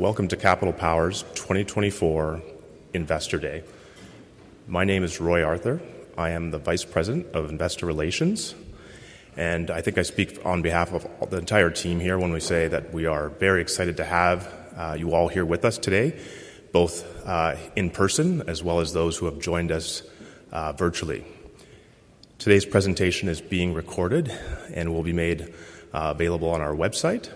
Welcome to Capital Power's 2024 Investor Day. My name is Roy Arthur. I am the Vice President of Investor Relations, and I think I speak on behalf of the entire team here when we say that we are very excited to have you all here with us today, both in person as well as those who have joined us virtually. Today's presentation is being recorded and will be made available on our website.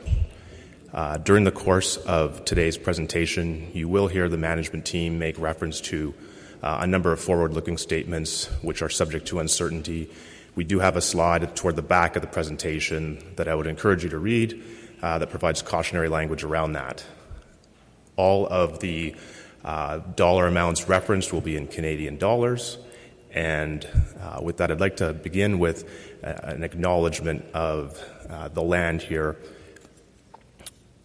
During the course of today's presentation, you will hear the management team make reference to a number of forward-looking statements which are subject to uncertainty. We do have a slide toward the back of the presentation that I would encourage you to read that provides cautionary language around that. All of the dollar amounts referenced will be in Canadian dollars. With that, I'd like to begin with an acknowledgment of the land here.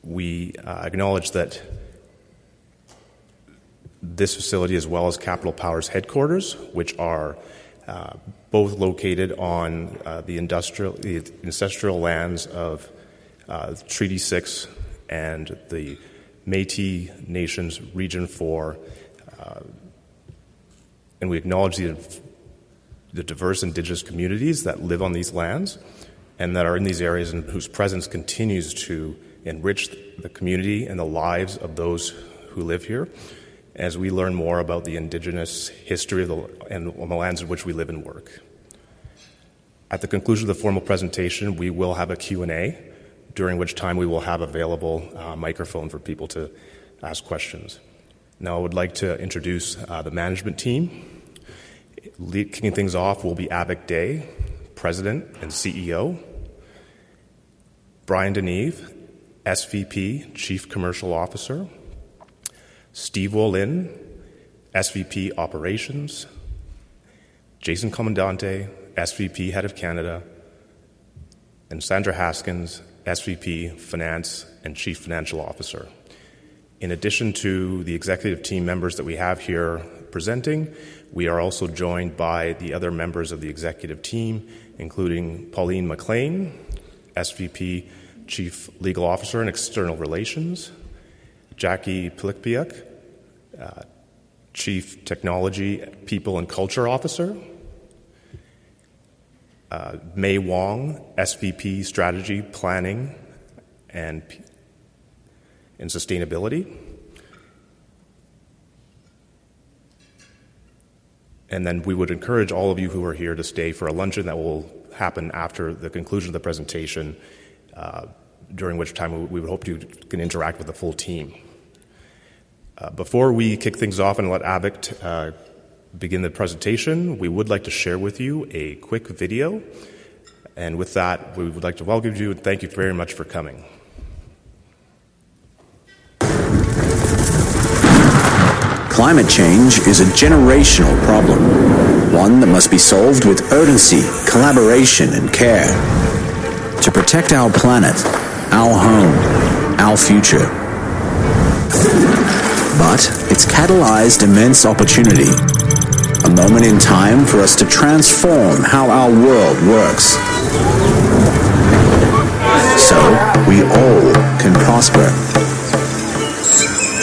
We acknowledge that this facility, as well as Capital Power's headquarters, which are both located on the ancestral lands of Treaty 6 and the Métis Nations Region 4, and we acknowledge the diverse Indigenous communities that live on these lands and that are in these areas and whose presence continues to enrich the community and the lives of those who live here as we learn more about the Indigenous history and the lands in which we live and work. At the conclusion of the formal presentation, we will have a Q&A during which time we will have available microphones for people to ask questions. Now, I would like to introduce the management team. Kicking things off will be Avik Dey, President and CEO; Bryan DeNeve, SVP, Chief Commercial Officer; Steve Wollin, SVP, Operations; Jason Comandante, SVP, Head of Canada; and Sandra Haskins, SVP, Finance and Chief Financial Officer. In addition to the executive team members that we have here presenting, we are also joined by the other members of the executive team, including Pauline McLean, SVP, Chief Legal Officer and External Relations, Jacquie Pylypiuk, Chief Technology, People and Culture Officer, May Wong, SVP, Strategy, Planning and Sustainability. Then we would encourage all of you who are here to stay for a luncheon that will happen after the conclusion of the presentation, during which time we would hope you can interact with the full team. Before we kick things off and let Avik begin the presentation, we would like to share with you a quick video. With that, we would like to welcome you and thank you very much for coming. Climate change is a generational problem, one that must be solved with urgency, collaboration, and care to protect our planet, our home, our future. But it's catalyzed immense opportunity, a moment in time for us to transform how our world works so we all can prosper.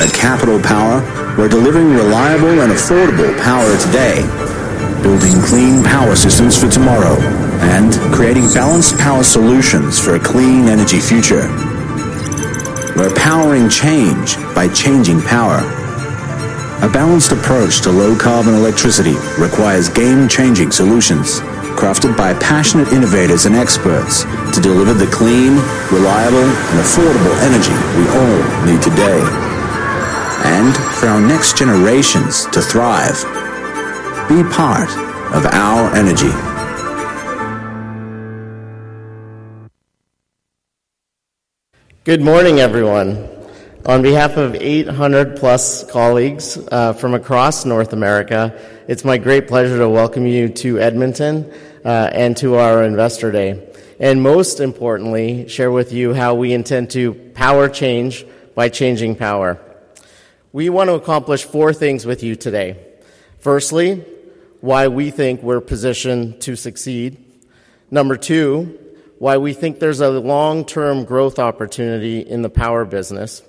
At Capital Power, we're delivering reliable and affordable power today, building clean power systems for tomorrow, and creating balanced power solutions for a clean energy future. We're powering change by changing power. A balanced approach to low-carbon electricity requires game-changing solutions crafted by passionate innovators and experts to deliver the clean, reliable, and affordable energy we all need today. And for our next generations to thrive, be part of our energy. Good morning, everyone. On behalf of 800+ colleagues from across North America, it's my great pleasure to welcome you to Edmonton and to our Investor Day. Most importantly, share with you how we intend to power change by changing power. We want to accomplish four things with you today. Firstly, why we think we're positioned to succeed. Number two, why we think there's a long-term growth opportunity in the power business.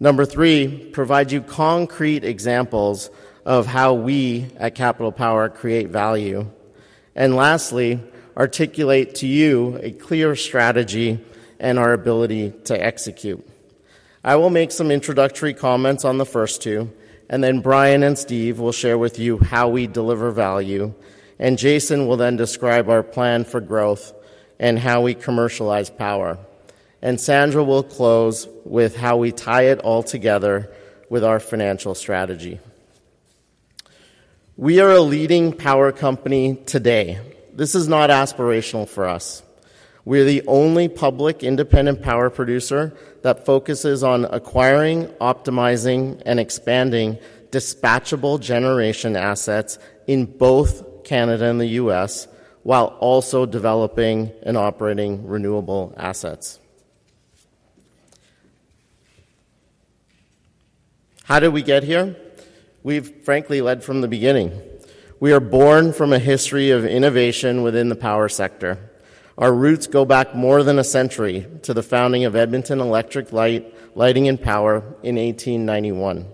Number three, provide you concrete examples of how we at Capital Power create value. Lastly, articulate to you a clear strategy and our ability to execute. I will make some introductory comments on the first two, and then Bryan and Steve will share with you how we deliver value, and Jason will then describe our plan for growth and how we commercialize power. Sandra will close with how we tie it all together with our financial strategy. We are a leading power company today. This is not aspirational for us. We are the only public independent power producer that focuses on acquiring, optimizing, and expanding dispatchable generation assets in both Canada and the U.S. while also developing and operating renewable assets. How did we get here? We've frankly led from the beginning. We are born from a history of innovation within the power sector. Our roots go back more than a century to the founding of Edmonton Electric Lighting and Power in 1891.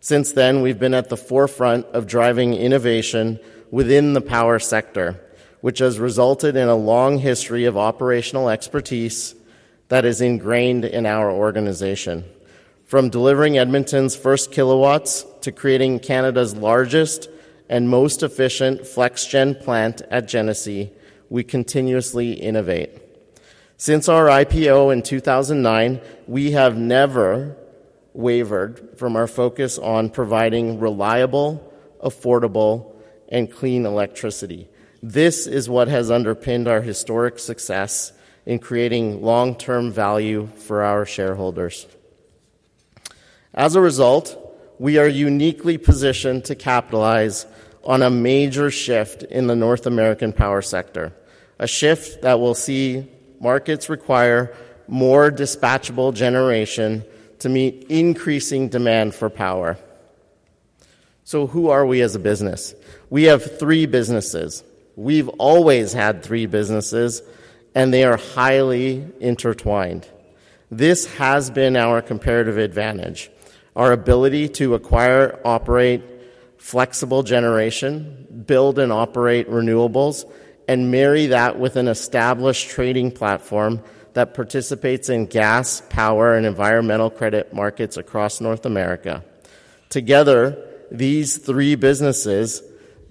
Since then, we've been at the forefront of driving innovation within the power sector, which has resulted in a long history of operational expertise that is ingrained in our organization. From delivering Edmonton's first kilowatts to creating Canada's largest and most efficient FlexGen plant at Genesee, we continuously innovate. Since our IPO in 2009, we have never wavered from our focus on providing reliable, affordable, and clean electricity. This is what has underpinned our historic success in creating long-term value for our shareholders. As a result, we are uniquely positioned to capitalize on a major shift in the North American power sector, a shift that will see markets require more dispatchable generation to meet increasing demand for power. So who are we as a business? We have three businesses. We've always had three businesses, and they are highly intertwined. This has been our comparative advantage, our ability to acquire, operate flexible generation, build and operate renewables, and marry that with an established trading platform that participates in gas, power, and environmental credit markets across North America. Together, these three businesses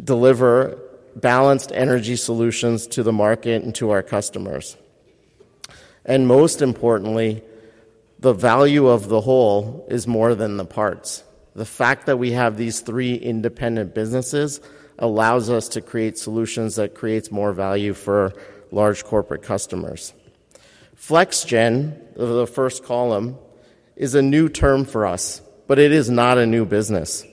deliver balanced energy solutions to the market and to our customers. Most importantly, the value of the whole is more than the parts. The fact that we have these three independent businesses allows us to create solutions that create more value for large corporate customers. FlexGen, the first column, is a new term for us, but it is not a new business.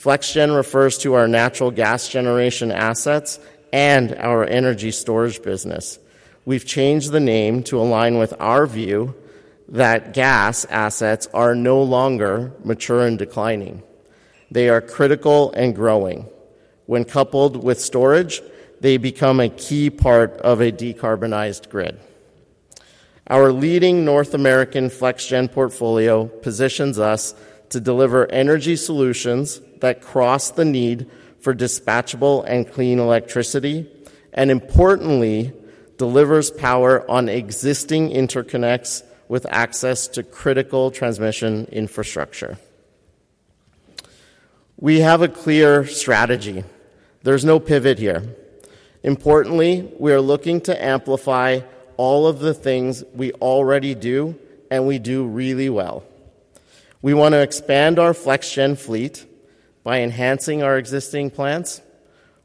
FlexGen refers to our natural gas generation assets and our energy storage business. We've changed the name to align with our view that gas assets are no longer mature and declining. They are critical and growing. When coupled with storage, they become a key part of a decarbonized grid. Our leading North American FlexGen portfolio positions us to deliver energy solutions that cross the need for dispatchable and clean electricity and, importantly, delivers power on existing interconnects with access to critical transmission infrastructure. We have a clear strategy. There's no pivot here. Importantly, we are looking to amplify all of the things we already do, and we do really well. We want to expand our FlexGen fleet by enhancing our existing plants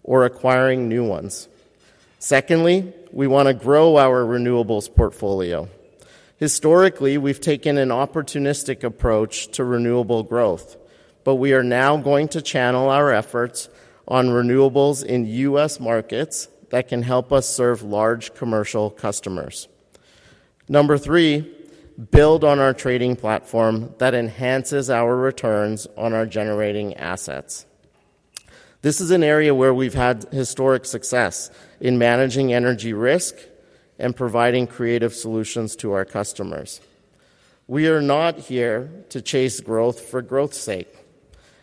or acquiring new ones. Secondly, we want to grow our renewables portfolio. Historically, we've taken an opportunistic approach to renewable growth, but we are now going to channel our efforts on renewables in U.S. markets that can help us serve large commercial customers. Number three, build on our trading platform that enhances our returns on our generating assets. This is an area where we've had historic success in managing energy risk and providing creative solutions to our customers. We are not here to chase growth for growth's sake,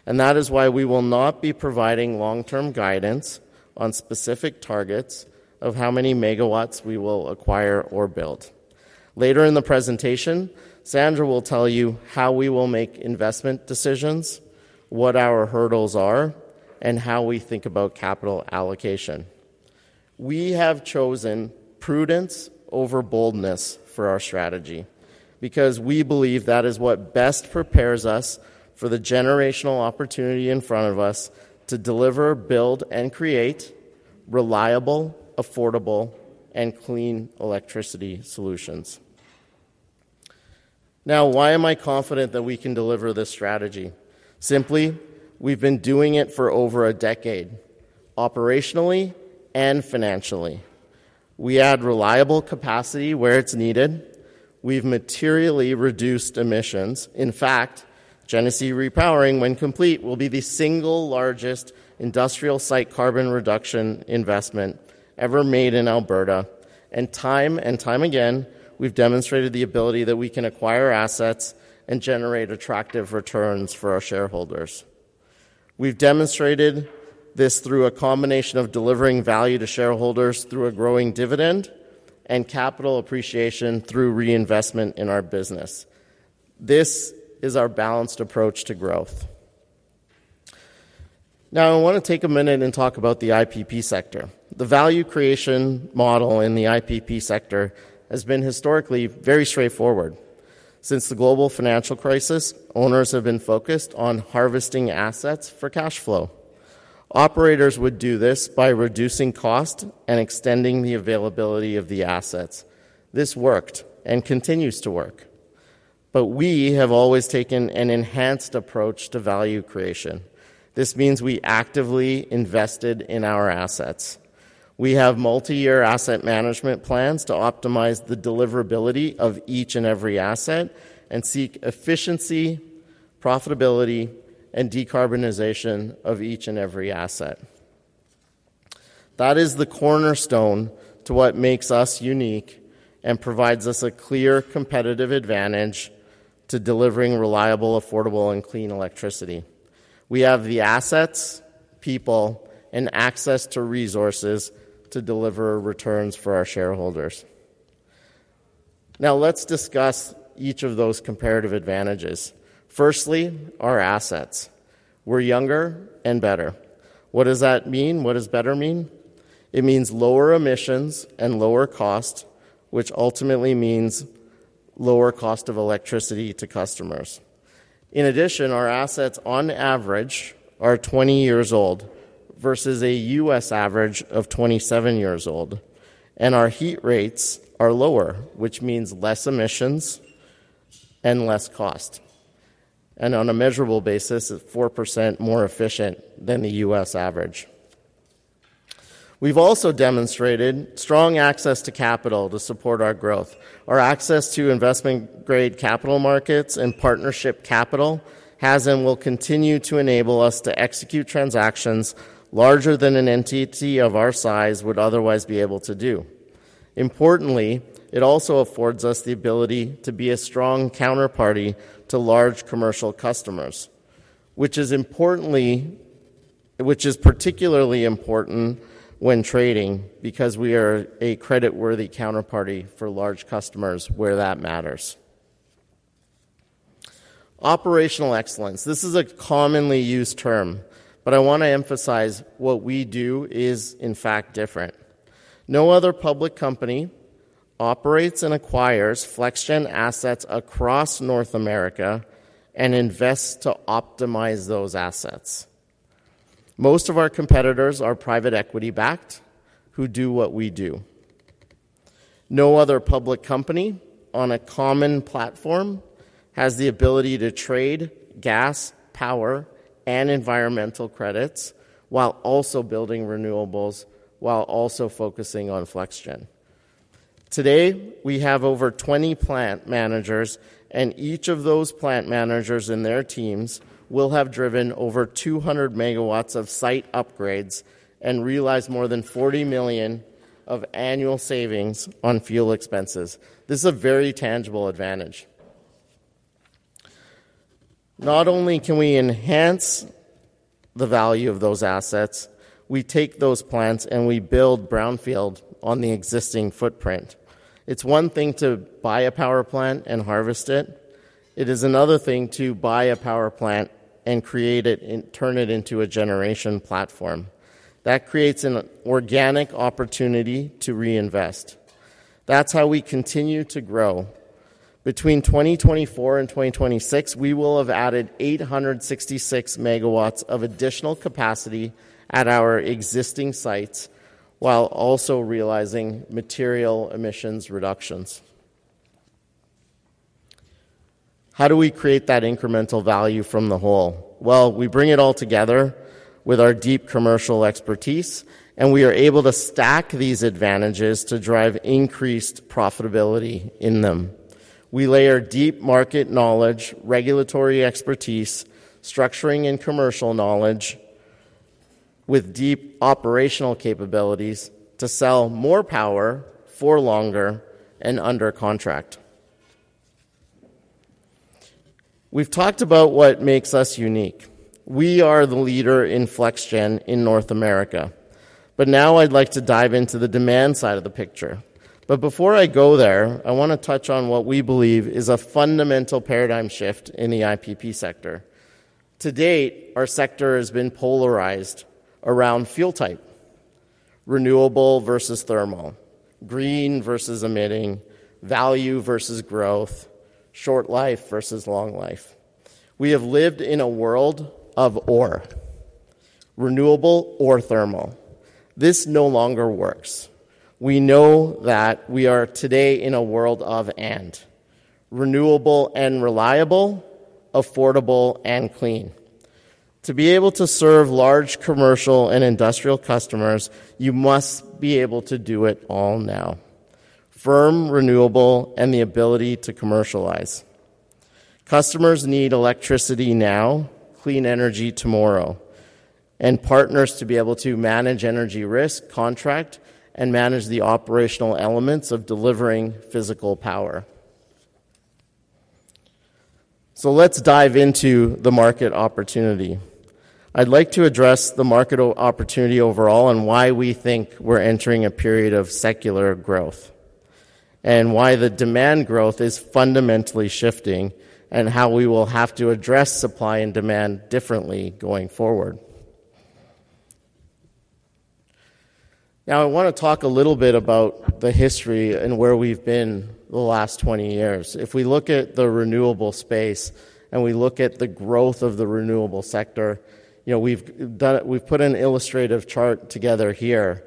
and that is why we will not be providing long-term guidance on specific targets of how many megawatts we will acquire or build. Later in the presentation, Sandra will tell you how we will make investment decisions, what our hurdles are, and how we think about capital allocation. We have chosen prudence over boldness for our strategy because we believe that is what best prepares us for the generational opportunity in front of us to deliver, build, and create reliable, affordable, and clean electricity solutions. Now, why am I confident that we can deliver this strategy? Simply, we've been doing it for over a decade, operationally and financially. We add reliable capacity where it's needed. We've materially reduced emissions. In fact, Genesee Repowering, when complete, will be the single largest industrial site carbon reduction investment ever made in Alberta. Time and time again, we've demonstrated the ability that we can acquire assets and generate attractive returns for our shareholders. We've demonstrated this through a combination of delivering value to shareholders through a growing dividend and capital appreciation through reinvestment in our business. This is our balanced approach to growth. Now, I want to take a minute and talk about the IPP sector. The value creation model in the IPP sector has been historically very straightforward. Since the global financial crisis, owners have been focused on harvesting assets for cash flow. Operators would do this by reducing cost and extending the availability of the assets. This worked and continues to work. But we have always taken an enhanced approach to value creation. This means we actively invested in our assets. We have multi-year asset management plans to optimize the deliverability of each and every asset and seek efficiency, profitability, and decarbonization of each and every asset. That is the cornerstone to what makes us unique and provides us a clear competitive advantage to delivering reliable, affordable, and clean electricity. We have the assets, people, and access to resources to deliver returns for our shareholders. Now, let's discuss each of those comparative advantages. Firstly, our assets. We're younger and better. What does that mean? What does better mean? It means lower emissions and lower cost, which ultimately means lower cost of electricity to customers. In addition, our assets, on average, are 20 years old versus a U.S. average of 27 years old. Our heat rates are lower, which means less emissions and less cost. On a measurable basis, it's 4% more efficient than the U.S. average. We've also demonstrated strong access to capital to support our growth. Our access to investment-grade capital markets and partnership capital has and will continue to enable us to execute transactions larger than an entity of our size would otherwise be able to do. Importantly, it also affords us the ability to be a strong counterparty to large commercial customers, which is particularly important when trading because we are a credit-worthy counterparty for large customers where that matters. Operational excellence. This is a commonly used term, but I want to emphasize what we do is, in fact, different. No other public company operates and acquires FlexGen assets across North America and invests to optimize those assets. Most of our competitors are private equity-backed who do what we do. No other public company on a common platform has the ability to trade gas, power, and environmental credits while also building renewables, while also focusing on FlexGen. Today, we have over 20 plant managers, and each of those plant managers and their teams will have driven over 200 MW of site upgrades and realized more than 40 million of annual savings on fuel expenses. This is a very tangible advantage. Not only can we enhance the value of those assets, we take those plants and we build brownfield on the existing footprint. It's one thing to buy a power plant and harvest it. It is another thing to buy a power plant and create it and turn it into a generation platform. That creates an organic opportunity to reinvest. That's how we continue to grow. Between 2024 and 2026, we will have added 866 MW of additional capacity at our existing sites while also realizing material emissions reductions. How do we create that incremental value from the whole? Well, we bring it all together with our deep commercial expertise, and we are able to stack these advantages to drive increased profitability in them. We layer deep market knowledge, regulatory expertise, structuring, and commercial knowledge with deep operational capabilities to sell more power for longer and under contract. We've talked about what makes us unique. We are the leader in FlexGen in North America. But now I'd like to dive into the demand side of the picture. But before I go there, I want to touch on what we believe is a fundamental paradigm shift in the IPP sector. To date, our sector has been polarized around fuel type, renewable versus thermal, green versus emitting, value versus growth, short life versus long life. We have lived in a world of or renewable or thermal. This no longer works. We know that we are today in a world of and renewable and reliable, affordable, and clean. To be able to serve large commercial and industrial customers, you must be able to do it all now: firm, renewable, and the ability to commercialize. Customers need electricity now, clean energy tomorrow, and partners to be able to manage energy risk, contract, and manage the operational elements of delivering physical power. So let's dive into the market opportunity. I'd like to address the market opportunity overall and why we think we're entering a period of secular growth and why the demand growth is fundamentally shifting and how we will have to address supply and demand differently going forward. Now, I want to talk a little bit about the history and where we've been the last 20 years. If we look at the renewable space and we look at the growth of the renewable sector, we've put an illustrative chart together here.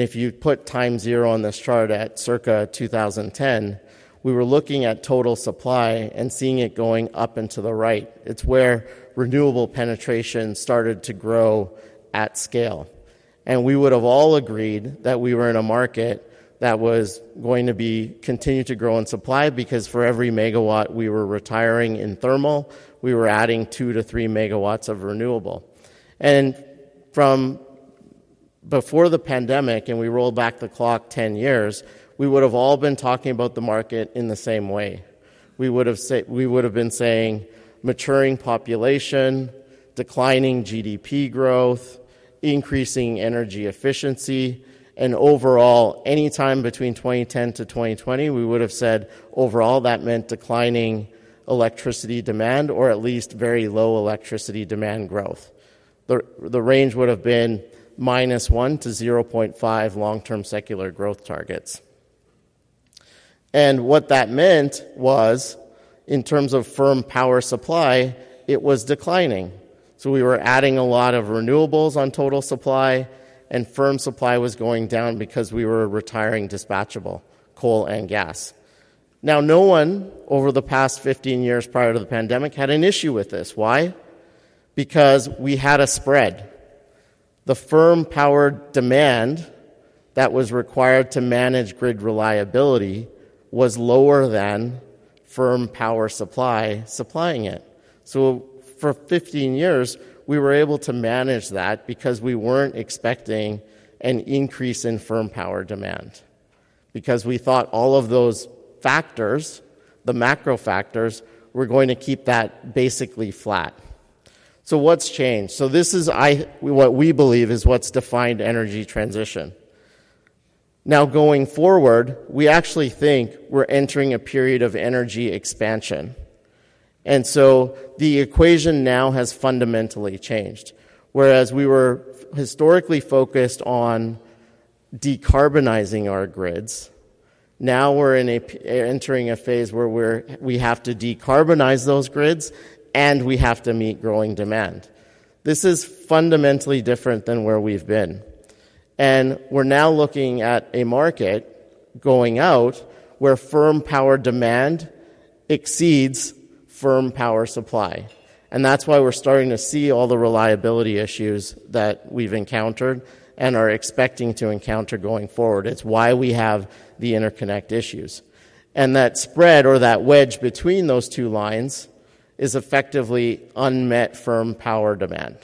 If you put time zero on this chart at circa 2010, we were looking at total supply and seeing it going up and to the right. It's where renewable penetration started to grow at scale. We would have all agreed that we were in a market that was going to continue to grow in supply because for every megawatt we were retiring in thermal, we were adding 2-3 MW of renewable. Before the pandemic and we rolled back the clock 10 years, we would have all been talking about the market in the same way. We would have been saying maturing population, declining GDP growth, increasing energy efficiency. Overall, anytime between 2010-2020, we would have said overall that meant declining electricity demand or at least very low electricity demand growth. The range would have been -1-0.5 long-term secular growth targets. What that meant was, in terms of firm power supply, it was declining. So we were adding a lot of renewables on total supply, and firm supply was going down because we were retiring dispatchable coal and gas. Now, no one over the past 15 years prior to the pandemic had an issue with this. Why? Because we had a spread. The firm-powered demand that was required to manage grid reliability was lower than firm power supply supplying it. So for 15 years, we were able to manage that because we weren't expecting an increase in firm power demand because we thought all of those factors, the macro factors, were going to keep that basically flat. So what's changed? So this is what we believe is what's defined energy transition. Now, going forward, we actually think we're entering a period of energy expansion. And so the equation now has fundamentally changed. Whereas we were historically focused on decarbonizing our grids, now we're entering a phase where we have to decarbonize those grids and we have to meet growing demand. This is fundamentally different than where we've been. And we're now looking at a market going out where firm power demand exceeds firm power supply. And that's why we're starting to see all the reliability issues that we've encountered and are expecting to encounter going forward. It's why we have the interconnect issues. That spread or that wedge between those two lines is effectively unmet firm power demand.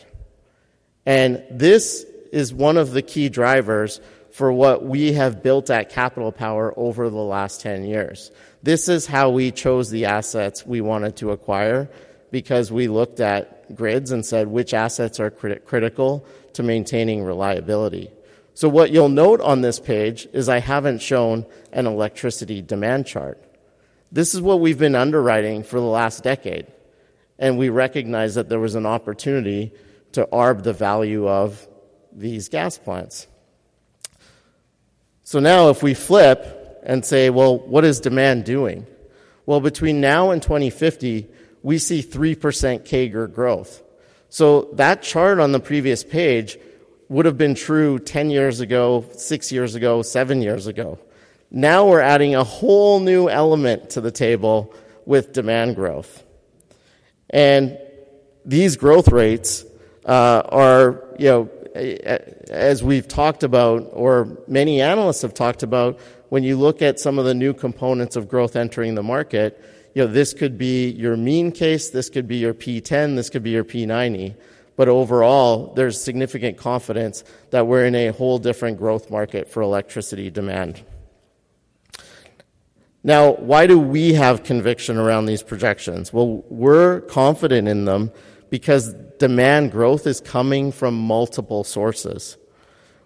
This is one of the key drivers for what we have built at Capital Power over the last 10 years. This is how we chose the assets we wanted to acquire because we looked at grids and said which assets are critical to maintaining reliability. What you'll note on this page is I haven't shown an electricity demand chart. This is what we've been underwriting for the last decade, and we recognize that there was an opportunity to ARB the value of these gas plants. Now if we flip and say, well, what is demand doing? Well, between now and 2050, we see 3% CAGR growth. So that chart on the previous page would have been true 10 years ago, six years ago, seven years ago. Now we're adding a whole new element to the table with demand growth. These growth rates are, as we've talked about or many analysts have talked about, when you look at some of the new components of growth entering the market, this could be your mean case. This could be your P10. This could be your P90. But overall, there's significant confidence that we're in a whole different growth market for electricity demand. Now, why do we have conviction around these projections? Well, we're confident in them because demand growth is coming from multiple sources.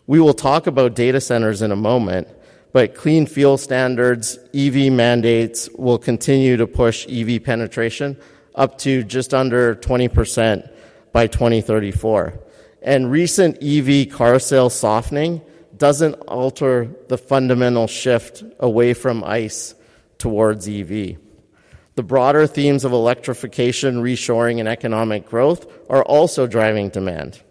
We will talk about data centers in a moment, but clean fuel standards, EV mandates will continue to push EV penetration up to just under 20% by 2034. Recent EV car sale softening doesn't alter the fundamental shift away from ICE towards EV. The broader themes of electrification, reshoring, and economic growth are also driving demand.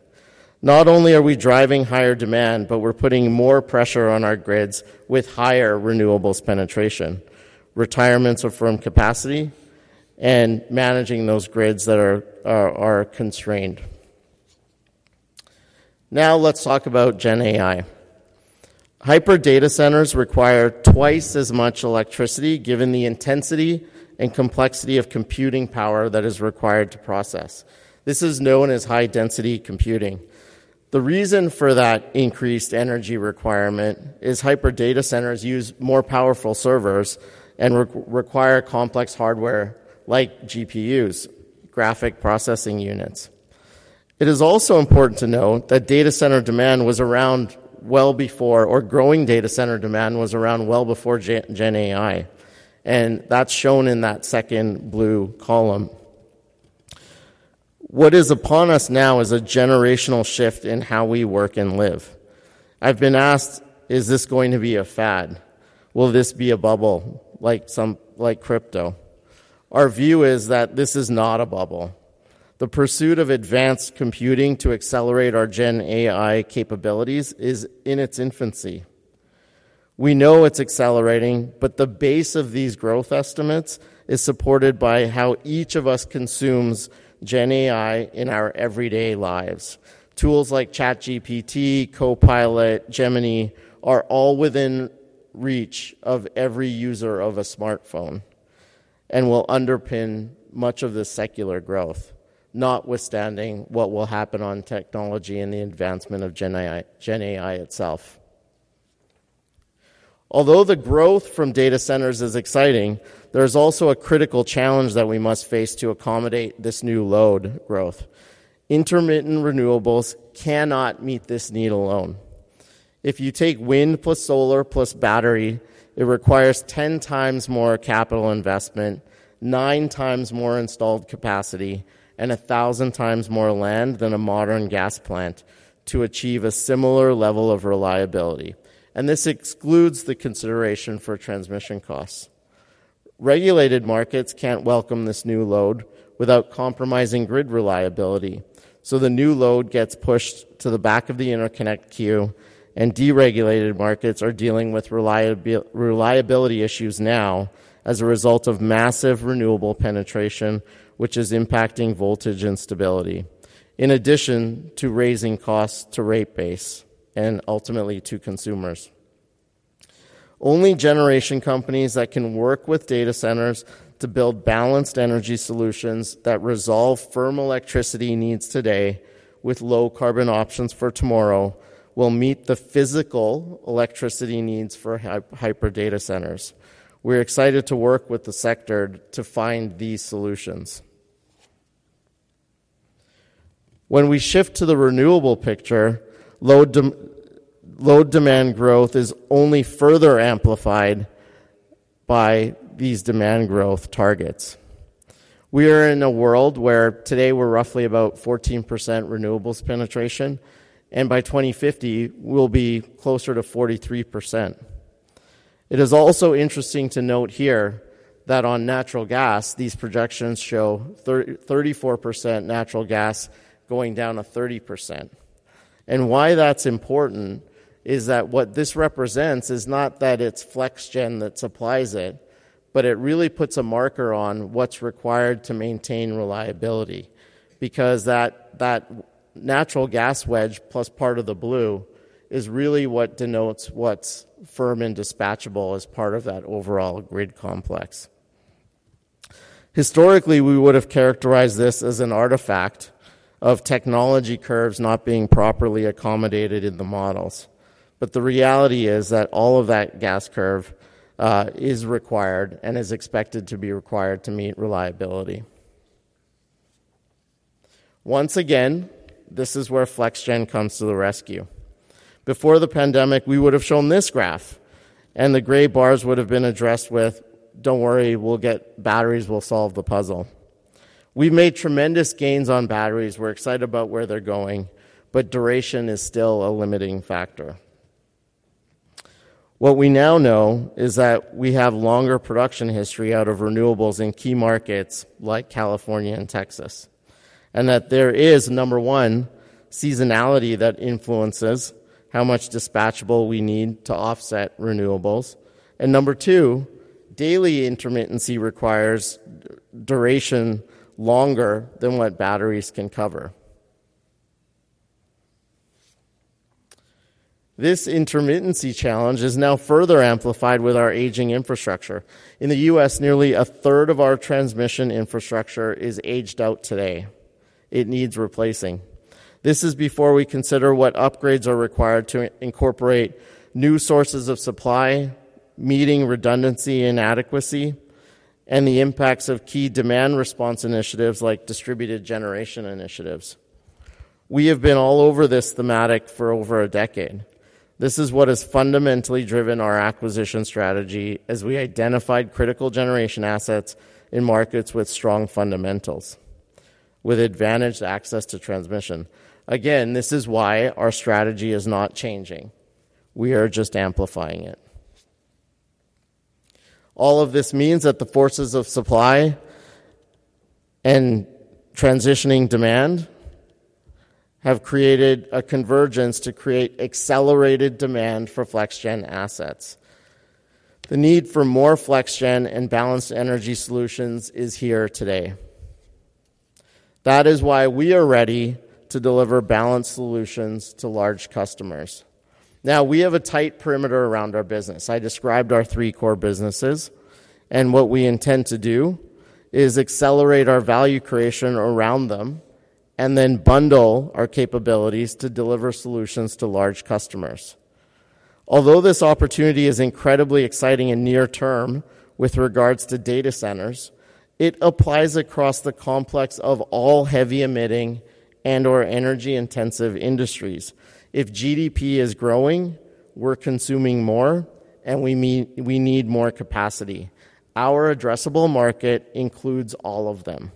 Not only are we driving higher demand, but we're putting more pressure on our grids with higher renewables penetration, retirements of firm capacity, and managing those grids that are constrained. Now let's talk about Gen AI. Hyper data centers require twice as much electricity given the intensity and complexity of computing power that is required to process. This is known as high-density computing. The reason for that increased energy requirement is hyper data centers use more powerful servers and require complex hardware like GPUs, graphics processing units. It is also important to note that data center demand was around well before, or growing data center demand was around well before Gen AI. That's shown in that second blue column. What is upon us now is a generational shift in how we work and live. I've been asked, is this going to be a fad? Will this be a bubble like crypto? Our view is that this is not a bubble. The pursuit of advanced computing to accelerate our Gen AI capabilities is in its infancy. We know it's accelerating, but the base of these growth estimates is supported by how each of us consumes Gen AI in our everyday lives. Tools like ChatGPT, Copilot, Gemini are all within reach of every user of a smartphone and will underpin much of the secular growth, notwithstanding what will happen on technology and the advancement of Gen AI itself. Although the growth from data centers is exciting, there is also a critical challenge that we must face to accommodate this new load growth. Intermittent renewables cannot meet this need alone. If you take wind plus solar plus battery, it requires 10 times more capital investment, nine times more installed capacity, and 1,000 times more land than a modern gas plant to achieve a similar level of reliability. This excludes the consideration for transmission costs. Regulated markets can't welcome this new load without compromising grid reliability. The new load gets pushed to the back of the interconnect queue, and deregulated markets are dealing with reliability issues now as a result of massive renewable penetration, which is impacting voltage and stability, in addition to raising costs to rate base and ultimately to consumers. Only generation companies that can work with data centers to build balanced energy solutions that resolve firm electricity needs today with low carbon options for tomorrow will meet the physical electricity needs for hyper data centers. We're excited to work with the sector to find these solutions. When we shift to the renewable picture, load demand growth is only further amplified by these demand growth targets. We are in a world where today we're roughly about 14% renewables penetration, and by 2050, we'll be closer to 43%. It is also interesting to note here that on natural gas, these projections show 34% natural gas going down to 30%. Why that's important is that what this represents is not that it's FlexGen that supplies it, but it really puts a marker on what's required to maintain reliability because that natural gas wedge plus part of the blue is really what denotes what's firm and dispatchable as part of that overall grid complex. Historically, we would have characterized this as an artifact of technology curves not being properly accommodated in the models. But the reality is that all of that gas curve is required and is expected to be required to meet reliability. Once again, this is where FlexGen comes to the rescue. Before the pandemic, we would have shown this graph, and the gray bars would have been addressed with, "Don't worry, we'll get batteries, we'll solve the puzzle." We've made tremendous gains on batteries. We're excited about where they're going, but duration is still a limiting factor. What we now know is that we have longer production history out of renewables in key markets like California and Texas, and that there is, number one, seasonality that influences how much dispatchable we need to offset renewables. And number two, daily intermittency requires duration longer than what batteries can cover. This intermittency challenge is now further amplified with our aging infrastructure. In the U.S., nearly a third of our transmission infrastructure is aged out today. It needs replacing. This is before we consider what upgrades are required to incorporate new sources of supply, meeting redundancy and adequacy, and the impacts of key demand response initiatives like distributed generation initiatives. We have been all over this thematic for over a decade. This is what has fundamentally driven our acquisition strategy as we identified critical generation assets in markets with strong fundamentals, with advantaged access to transmission. Again, this is why our strategy is not changing. We are just amplifying it. All of this means that the forces of supply and transitioning demand have created a convergence to create accelerated demand for FlexGen assets. The need for more FlexGen and balanced energy solutions is here today. That is why we are ready to deliver balanced solutions to large customers. Now, we have a tight perimeter around our business. I described our three core businesses, and what we intend to do is accelerate our value creation around them and then bundle our capabilities to deliver solutions to large customers. Although this opportunity is incredibly exciting in near term with regards to data centers, it applies across the complex of all heavy emitting and/or energy-intensive industries. If GDP is growing, we're consuming more, and we need more capacity. Our addressable market includes all of them.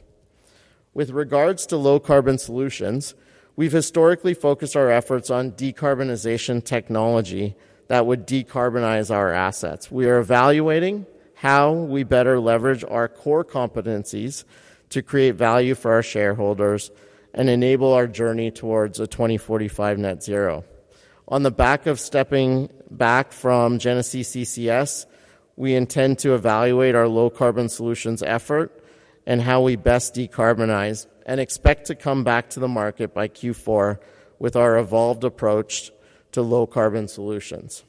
With regards to low carbon solutions, we've historically focused our efforts on decarbonization technology that would decarbonize our assets. We are evaluating how we better leverage our core competencies to create value for our shareholders and enable our journey towards a 2045 net zero. On the back of stepping back from Genesee CCS, we intend to evaluate our low carbon solutions effort and how we best decarbonize and expect to come back to the market by Q4 with our evolved approach to low carbon solutions.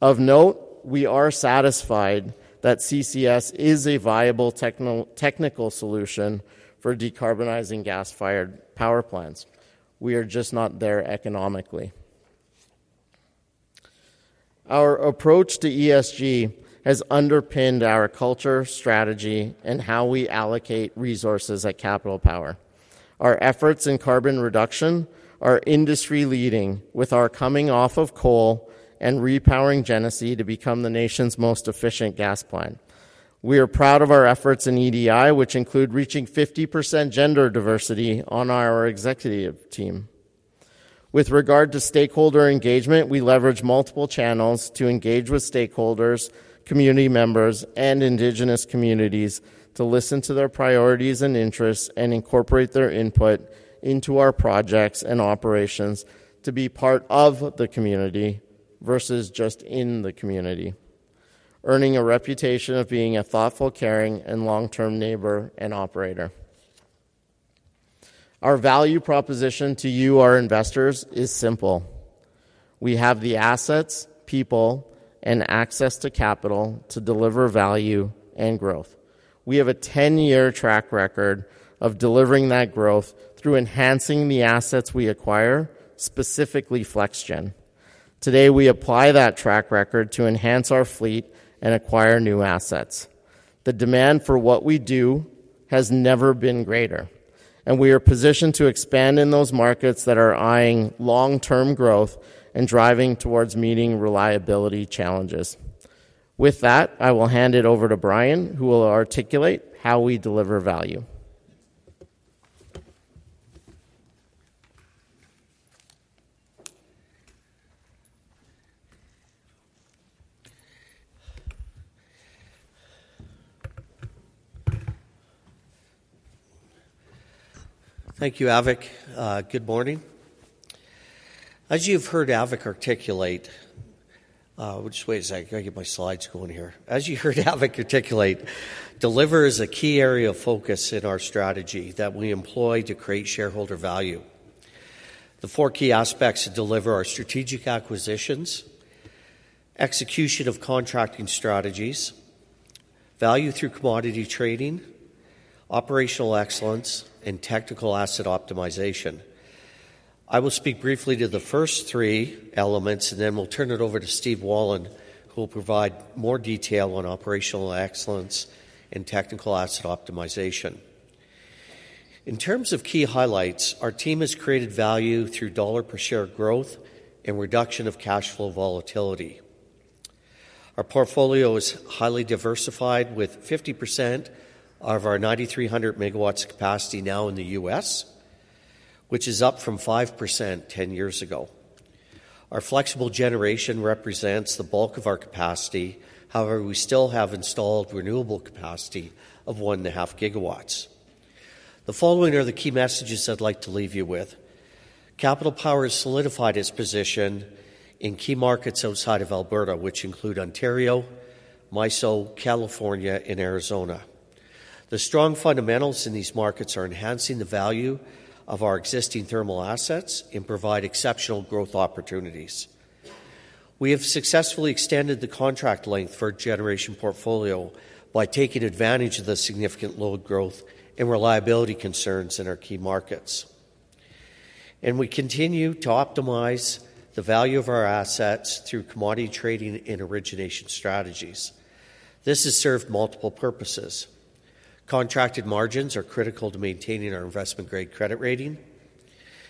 Of note, we are satisfied that CCS is a viable technical solution for decarbonizing gas-fired power plants. We are just not there economically. Our approach to ESG has underpinned our culture, strategy, and how we allocate resources at Capital Power. Our efforts in carbon reduction are industry-leading with our coming off of coal and repowering Genesee to become the nation's most efficient gas plant. We are proud of our efforts in EDI, which include reaching 50% gender diversity on our executive team. With regard to stakeholder engagement, we leverage multiple channels to engage with stakeholders, community members, and indigenous communities to listen to their priorities and interests and incorporate their input into our projects and operations to be part of the community versus just in the community, earning a reputation of being a thoughtful, caring, and long-term neighbor and operator. Our value proposition to you, our investors, is simple. We have the assets, people, and access to capital to deliver value and growth. We have a 10-year track record of delivering that growth through enhancing the assets we acquire, specifically FlexGen. Today, we apply that track record to enhance our fleet and acquire new assets. The demand for what we do has never been greater, and we are positioned to expand in those markets that are eyeing long-term growth and driving towards meeting reliability challenges. With that, I will hand it over to Bryan, who will articulate how we deliver value. Thank you, Avik. Good morning. As you've heard Avik articulate, deliver is a key area of focus in our strategy that we employ to create shareholder value. The four key aspects to deliver are strategic acquisitions, execution of contracting strategies, value through commodity trading, operational excellence, and technical asset optimization. I will speak briefly to the first three elements, and then we'll turn it over to Steve Wollin, who will provide more detail on operational excellence and technical asset optimization. In terms of key highlights, our team has created value through dollar-per-share growth and reduction of cash flow volatility. Our portfolio is highly diversified with 50% of our 9,300 MW capacity now in the U.S., which is up from 5% 10 years ago. Our flexible generation represents the bulk of our capacity. However, we still have installed renewable capacity of 1.5 GW. The following are the key messages I'd like to leave you with. Capital Power has solidified its position in key markets outside of Alberta, which include Ontario, MISO, California, and Arizona. The strong fundamentals in these markets are enhancing the value of our existing thermal assets and provide exceptional growth opportunities. We have successfully extended the contract length for our generation portfolio by taking advantage of the significant load growth and reliability concerns in our key markets. And we continue to optimize the value of our assets through commodity trading and origination strategies. This has served multiple purposes. Contracted margins are critical to maintaining our investment-grade credit rating,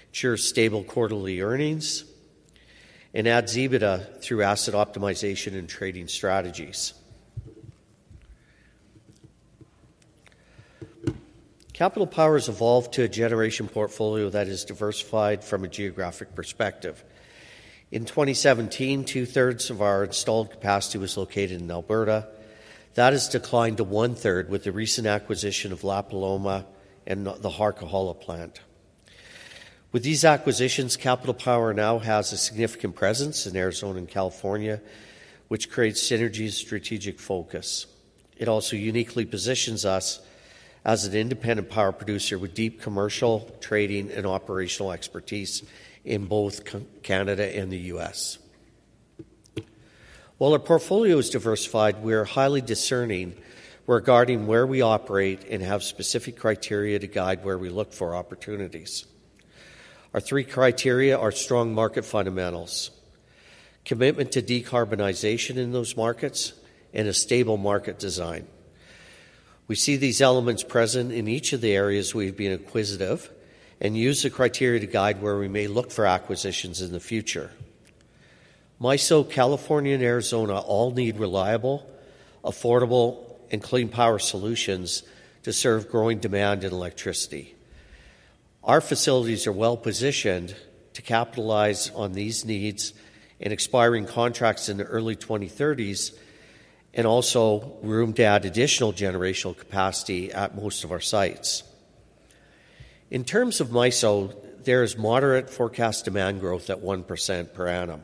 ensure stable quarterly earnings, and add EBITDA through asset optimization and trading strategies. Capital Power has evolved to a generation portfolio that is diversified from a geographic perspective. In 2017, 2/3 of our installed capacity was located in Alberta. That has declined to one-third with the recent acquisition of La Paloma and the Harquahala plant. With these acquisitions, Capital Power now has a significant presence in Arizona and California, which creates synergy and strategic focus. It also uniquely positions us as an independent power producer with deep commercial, trading, and operational expertise in both Canada and the U.S. While our portfolio is diversified, we are highly discerning regarding where we operate and have specific criteria to guide where we look for opportunities. Our three criteria are strong market fundamentals, commitment to decarbonization in those markets, and a stable market design. We see these elements present in each of the areas we've been inquisitive and use the criteria to guide where we may look for acquisitions in the future. MISO, California, and Arizona all need reliable, affordable, and clean power solutions to serve growing demand in electricity. Our facilities are well positioned to capitalize on these needs and expiring contracts in the early 2030s and also room to add additional generation capacity at most of our sites. In terms of MISO, there is moderate forecast demand growth at 1% per annum,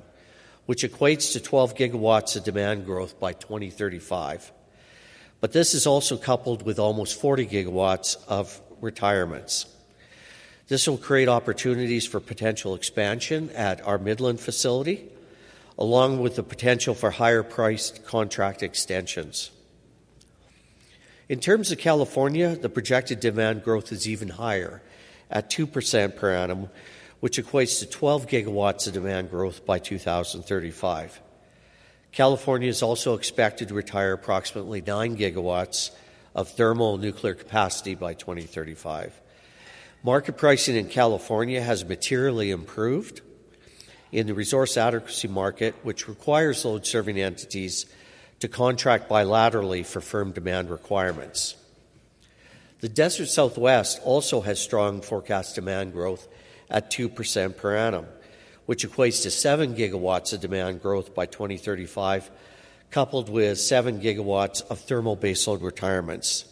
which equates to 12 GW of demand growth by 2035. But this is also coupled with almost 40 GW of retirements. This will create opportunities for potential expansion at our Midland facility, along with the potential for higher-priced contract extensions. In terms of California, the projected demand growth is even higher at 2% per annum, which equates to 12 GW of demand growth by 2035. California is also expected to retire approximately 9 GW of thermal and nuclear capacity by 2035. Market pricing in California has materially improved in the resource adequacy market, which requires load-serving entities to contract bilaterally for firm demand requirements. The Desert Southwest also has strong forecast demand growth at 2% per annum, which equates to 7 GW of demand growth by 2035, coupled with 7 GW of thermal baseload retirements.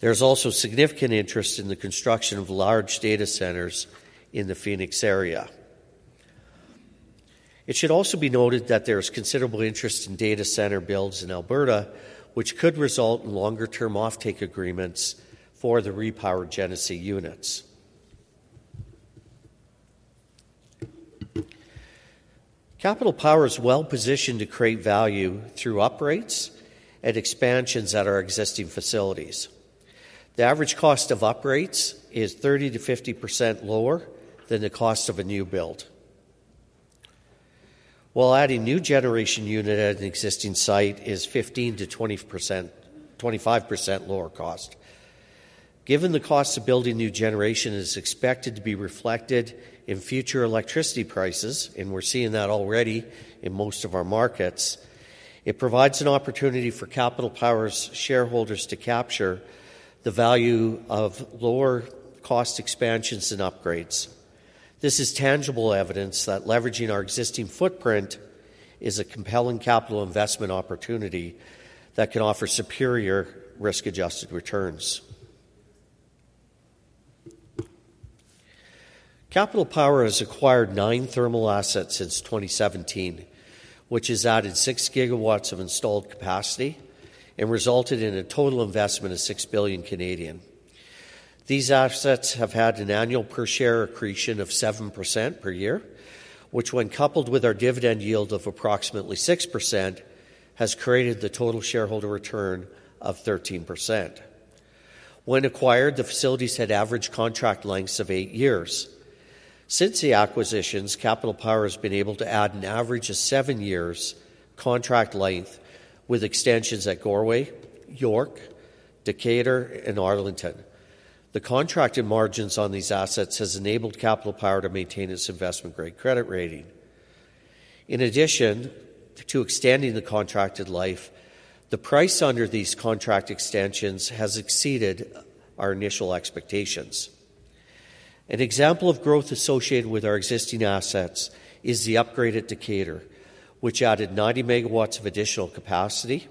There's also significant interest in the construction of large data centers in the Phoenix area. It should also be noted that there is considerable interest in data center builds in Alberta, which could result in longer-term offtake agreements for the repowered Genesee units. Capital Power is well positioned to create value through upgrades and expansions at our existing facilities. The average cost of upgrades is 30%-50% lower than the cost of a new build. While adding new generation units at an existing site is 15%-25% lower cost. Given the cost of building new generation is expected to be reflected in future electricity prices, and we're seeing that already in most of our markets, it provides an opportunity for Capital Power's shareholders to capture the value of lower-cost expansions and upgrades. This is tangible evidence that leveraging our existing footprint is a compelling capital investment opportunity that can offer superior risk-adjusted returns. Capital Power has acquired nine thermal assets since 2017, which has added 6 GW of installed capacity and resulted in a total investment of 6 billion Canadian dollars. These assets have had an annual per-share accretion of 7% per year, which, when coupled with our dividend yield of approximately 6%, has created the total shareholder return of 13%. When acquired, the facilities had average contract lengths of eight years. Since the acquisitions, Capital Power has been able to add an average of 7 years contract length with extensions at Goreway, York, Decatur, and Arlington. The contracted margins on these assets have enabled Capital Power to maintain its investment-grade credit rating. In addition to extending the contracted life, the price under these contract extensions has exceeded our initial expectations. An example of growth associated with our existing assets is the upgrade at Decatur, which added 90 MW of additional capacity,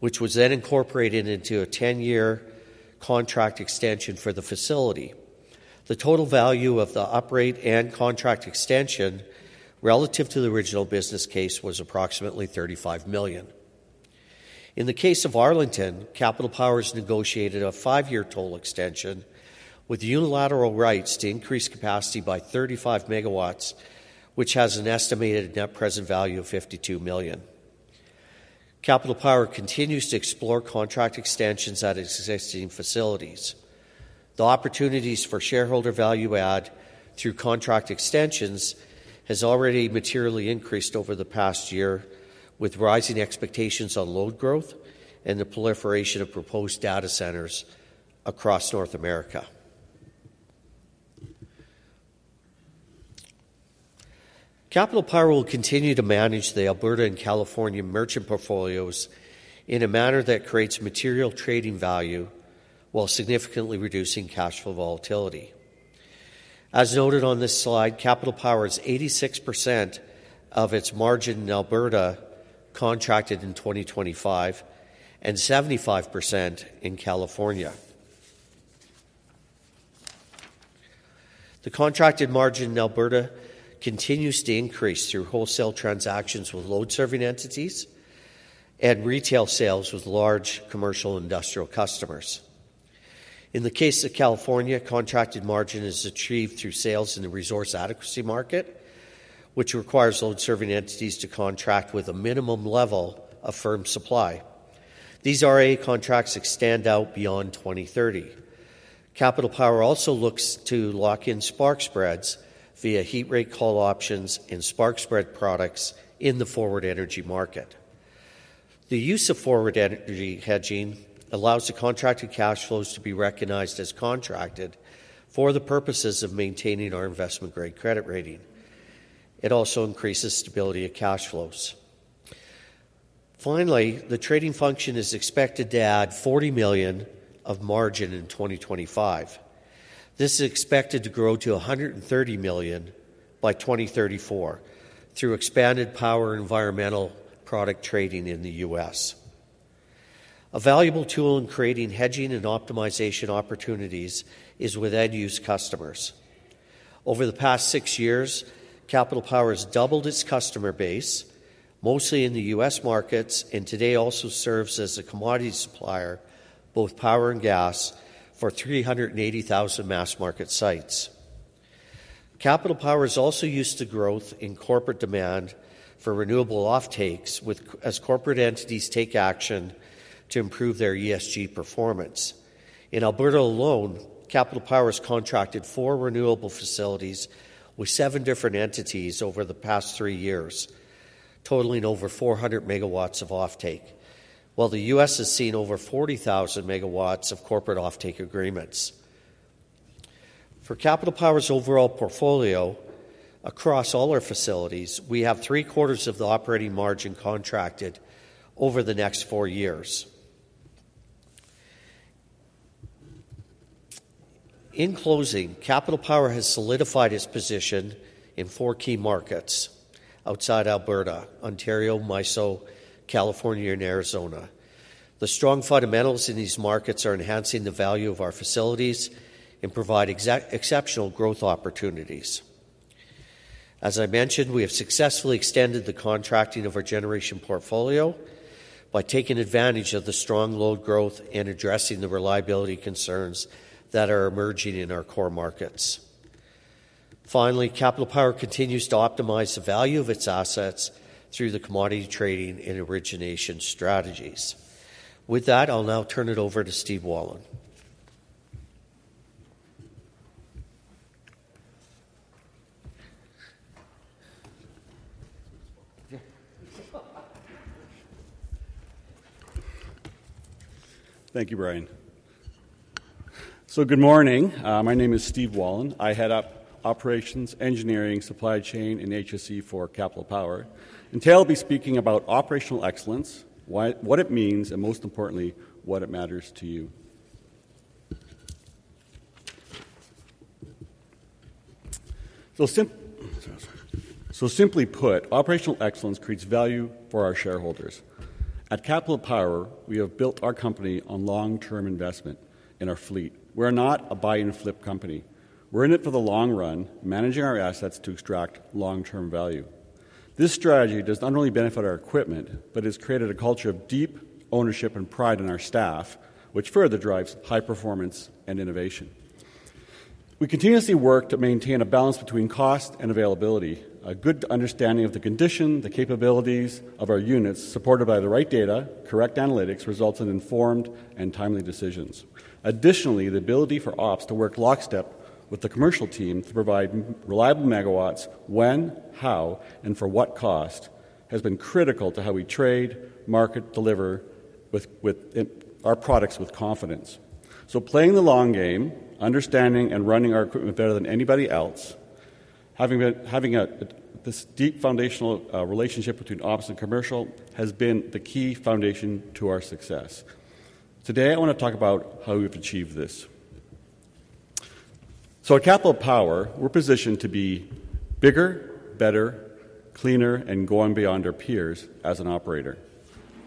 which was then incorporated into a 10-year contract extension for the facility. The total value of the upgrade and contract extension relative to the original business case was approximately 35 million. In the case of Arlington, Capital Power has negotiated a five-year total extension with unilateral rights to increase capacity by 35 MW, which has an estimated net present value of 52 million. Capital Power continues to explore contract extensions at existing facilities. The opportunities for shareholder value add through contract extensions have already materially increased over the past year, with rising expectations on load growth and the proliferation of proposed data centers across North America. Capital Power will continue to manage the Alberta and California merchant portfolios in a manner that creates material trading value while significantly reducing cash flow volatility. As noted on this slide, Capital Power has 86% of its margin in Alberta contracted in 2025 and 75% in California. The contracted margin in Alberta continues to increase through wholesale transactions with load-serving entities and retail sales with large commercial and industrial customers. In the case of California, contracted margin is achieved through sales in the Resource Adequacy market, which requires load-serving entities to contract with a minimum level of firm supply. These RA contracts extend out beyond 2030. Capital Power also looks to lock in spark spreads via heat rate call options and spark spread products in the forward energy market. The use of forward energy hedging allows the contracted cash flows to be recognized as contracted for the purposes of maintaining our investment-grade credit rating. It also increases stability of cash flows. Finally, the trading function is expected to add 40 million of margin in 2025. This is expected to grow to 130 million by 2034 through expanded power environmental product trading in the U.S. A valuable tool in creating hedging and optimization opportunities is with end-use customers. Over the past six years, Capital Power has doubled its customer base, mostly in the U.S. markets, and today also serves as a commodity supplier, both power and gas, for 380,000 mass market sites. Capital Power is also used to growth in corporate demand for renewable offtakes as corporate entities take action to improve their ESG performance. In Alberta alone, Capital Power has contracted four renewable facilities with seven different entities over the past three years, totaling over 400 MW of offtake, while the U.S. has seen over 40,000 MW of corporate offtake agreements. For Capital Power's overall portfolio, across all our facilities, we have three-quarters of the operating margin contracted over the next four years. In closing, Capital Power has solidified its position in four key markets outside Alberta, Ontario, MISO, California, and Arizona. The strong fundamentals in these markets are enhancing the value of our facilities and provide exceptional growth opportunities. As I mentioned, we have successfully extended the contracting of our generation portfolio by taking advantage of the strong load growth and addressing the reliability concerns that are emerging in our core markets. Finally, Capital Power continues to optimize the value of its assets through the commodity trading and origination strategies. With that, I'll now turn it over to Steve Wollin. Thank you, Bryan. Good morning. My name is Steve Wollin. I head up operations, engineering, supply chain, and HSE for Capital Power. Today I'll be speaking about operational excellence, what it means, and most importantly, what it matters to you. Simply put, operational excellence creates value for our shareholders. At Capital Power, we have built our company on long-term investment in our fleet. We're not a buy-and-flip company. We're in it for the long run, managing our assets to extract long-term value. This strategy does not only benefit our equipment but has created a culture of deep ownership and pride in our staff, which further drives high performance and innovation. We continuously work to maintain a balance between cost and availability. A good understanding of the condition, the capabilities of our units, supported by the right data, correct analytics, results in informed and timely decisions. Additionally, the ability for ops to work lockstep with the commercial team to provide reliable megawatts when, how, and for what cost has been critical to how we trade, market, deliver our products with confidence. So playing the long game, understanding, and running our equipment better than anybody else, having this deep foundational relationship between ops and commercial has been the key foundation to our success. Today, I want to talk about how we've achieved this. So at Capital Power, we're positioned to be bigger, better, cleaner, and going beyond our peers as an operator.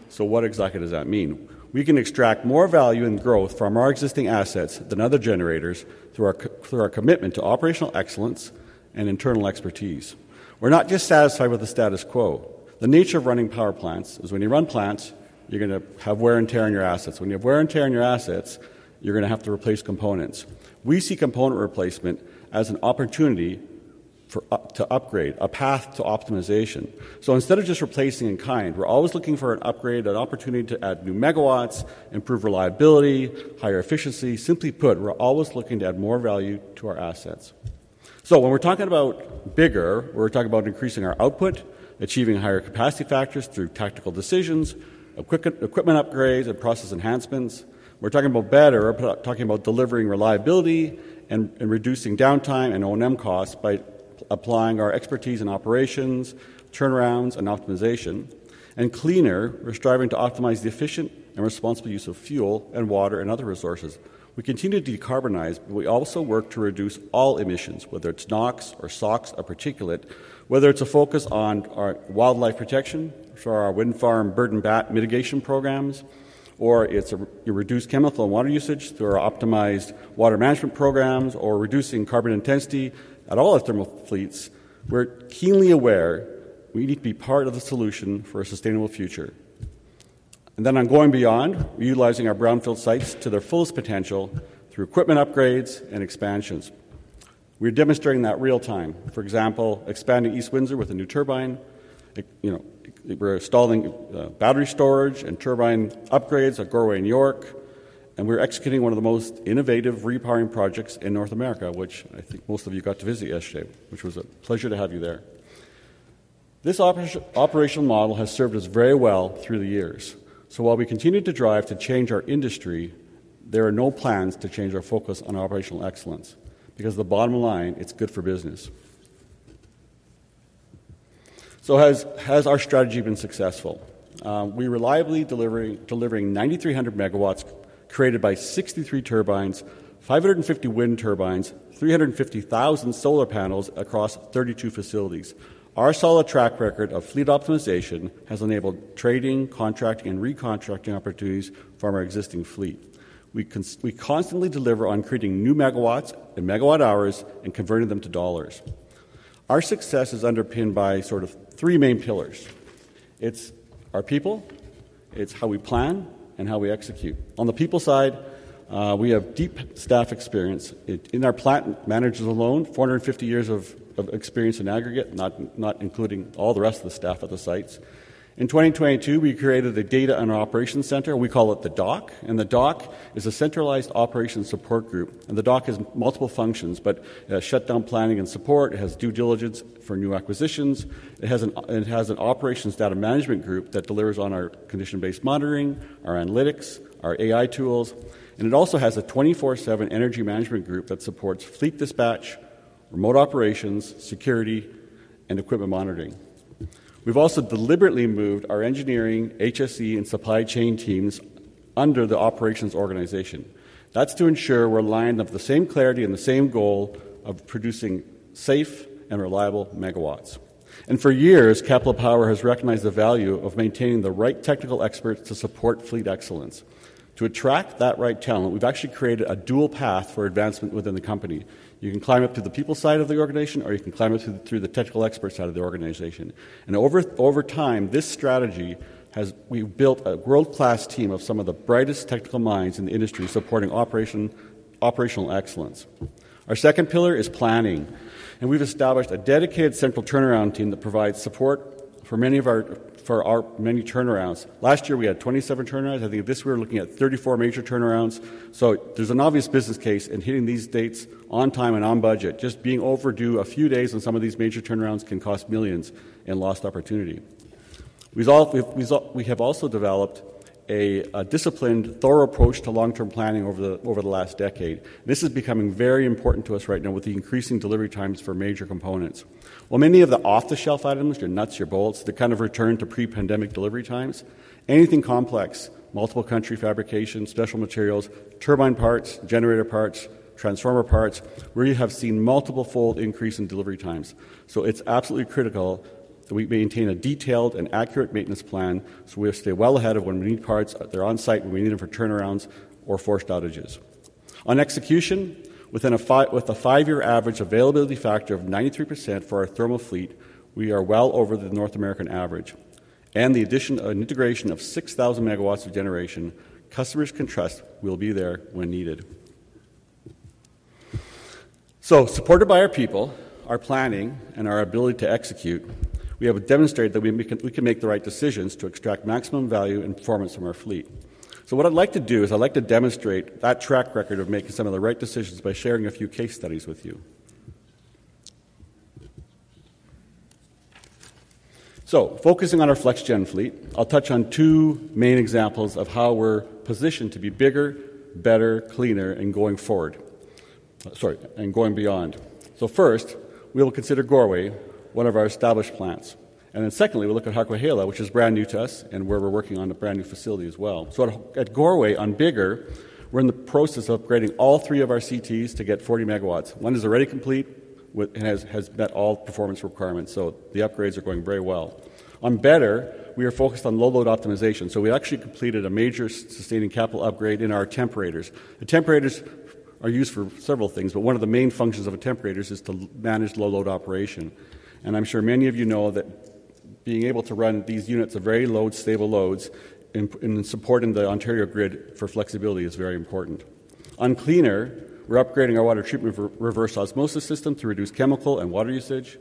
So what exactly does that mean? We can extract more value and growth from our existing assets than other generators through our commitment to operational excellence and internal expertise. We're not just satisfied with the status quo. The nature of running power plants is when you run plants, you're going to have wear and tear in your assets. When you have wear and tear in your assets, you're going to have to replace components. We see component replacement as an opportunity to upgrade, a path to optimization. So instead of just replacing in kind, we're always looking for an upgrade, an opportunity to add new megawatts, improve reliability, higher efficiency. Simply put, we're always looking to add more value to our assets. So when we're talking about bigger, we're talking about increasing our output, achieving higher capacity factors through tactical decisions, equipment upgrades, and process enhancements. We're talking about better, we're talking about delivering reliability and reducing downtime and O&M costs by applying our expertise in operations, turnarounds, and optimization. And cleaner, we're striving to optimize the efficient and responsible use of fuel and water and other resources. We continue to decarbonize, but we also work to reduce all emissions, whether it's NOx or SOx or particulate, whether it's a focus on wildlife protection through our wind farm burden mitigation programs, or it's reduced chemical and water usage through our optimized water management programs, or reducing carbon intensity at all our thermal fleets. We're keenly aware we need to be part of the solution for a sustainable future. And then, ongoing beyond, we're utilizing our brownfield sites to their fullest potential through equipment upgrades and expansions. We're demonstrating that real-time. For example, expanding East Windsor with a new turbine. We're installing battery storage and turbine upgrades at Goreway and York. And we're executing one of the most innovative repowering projects in North America, which I think most of you got to visit yesterday, which was a pleasure to have you there. This operational model has served us very well through the years. So while we continue to drive to change our industry, there are no plans to change our focus on operational excellence because the bottom line, it's good for business. So has our strategy been successful? We're reliably delivering 9,300 MW created by 63 turbines, 550 wind turbines, 350,000 solar panels across 32 facilities. Our solid track record of fleet optimization has enabled trading, contracting, and recontracting opportunities from our existing fleet. We constantly deliver on creating new megawatts and megawatt-hours and converting them to dollars. Our success is underpinned by sort of 3 main pillars. It's our people. It's how we plan and how we execute. On the people side, we have deep staff experience. In our plant managers alone, 450 years of experience in aggregate, not including all the rest of the staff at the sites. In 2022, we created the Data and Operations Center. We call it the DOC. The DOC is a centralized operations support group. The DOC has multiple functions, but it has shutdown planning and support. It has due diligence for new acquisitions. It has an operations data management group that delivers on our condition-based monitoring, our analytics, our AI tools. It also has a 24/7 energy management group that supports fleet dispatch, remote operations, security, and equipment monitoring. We've also deliberately moved our engineering, HSE, and supply chain teams under the operations organization. That's to ensure we're aligned with the same clarity and the same goal of producing safe and reliable megawatts. For years, Capital Power has recognized the value of maintaining the right technical experts to support fleet excellence. To attract that right talent, we've actually created a dual path for advancement within the company. You can climb up to the people side of the organization, or you can climb up through the technical experts side of the organization. Over time, this strategy, we've built a world-class team of some of the brightest technical minds in the industry supporting operational excellence. Our second pillar is planning. We've established a dedicated central turnaround team that provides support for many of our many turnarounds. Last year, we had 27 turnarounds. I think this year, we're looking at 34 major turnarounds. There's an obvious business case in hitting these dates on time and on budget. Just being overdue a few days on some of these major turnarounds can cost millions in lost opportunity. We have also developed a disciplined, thorough approach to long-term planning over the last decade. This is becoming very important to us right now with the increasing delivery times for major components. While many of the off-the-shelf items, your nuts, your bolts, they kind of return to pre-pandemic delivery times, anything complex, multiple-country fabrication, special materials, turbine parts, generator parts, transformer parts, we have seen multiple-fold increase in delivery times. So it's absolutely critical that we maintain a detailed and accurate maintenance plan so we stay well ahead of when we need parts, they're on site, when we need them for turnarounds, or forced outages. On execution, with a five-year average availability factor of 93% for our thermal fleet, we are well over the North American average. And the addition of an integration of 6,000 MW of generation, customers can trust will be there when needed. So supported by our people, our planning, and our ability to execute, we have demonstrated that we can make the right decisions to extract maximum value and performance from our fleet. So what I'd like to do is I'd like to demonstrate that track record of making some of the right decisions by sharing a few case studies with you. So focusing on our FlexGen fleet, I'll touch on two main examples of how we're positioned to be bigger, better, cleaner, and going forward sorry, and going beyond. So first, we will consider Goreway, one of our established plants. And then secondly, we'll look at Harquahala, which is brand new to us and where we're working on a brand new facility as well. So at Goreway, on bigger, we're in the process of upgrading all three of our CTs to get 40 MW. One is already complete and has met all performance requirements. So the upgrades are going very well. On better, we are focused on low-load optimization. So we actually completed a major sustaining capital upgrade in our temporators. The temporators are used for several things, but one of the main functions of a temporators is to manage low-load operation. I'm sure many of you know that being able to run these units at very low, stable loads and supporting the Ontario grid for flexibility is very important. On cleaner, we're upgrading our water treatment reverse osmosis system to reduce chemical and water usage.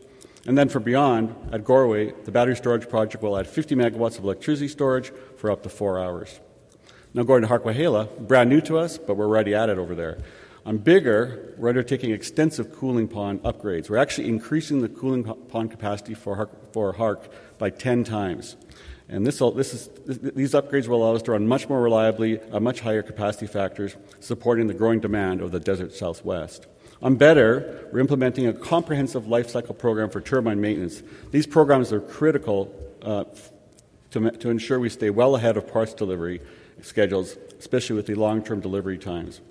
And then for beyond, at Goreway, the battery storage project will add 50 MW of electricity storage for up to four hours. Now going to Harquahala, brand new to us, but we're already at it over there. On bigger, we're undertaking extensive cooling pond upgrades. We're actually increasing the cooling pond capacity for Harquahala by 10 times. And these upgrades will allow us to run much more reliably, much higher capacity factors, supporting the growing demand of the Desert Southwest. On better, we're implementing a comprehensive lifecycle program for turbine maintenance. These programs are critical to ensure we stay well ahead of parts delivery schedules, especially with the long-term delivery times.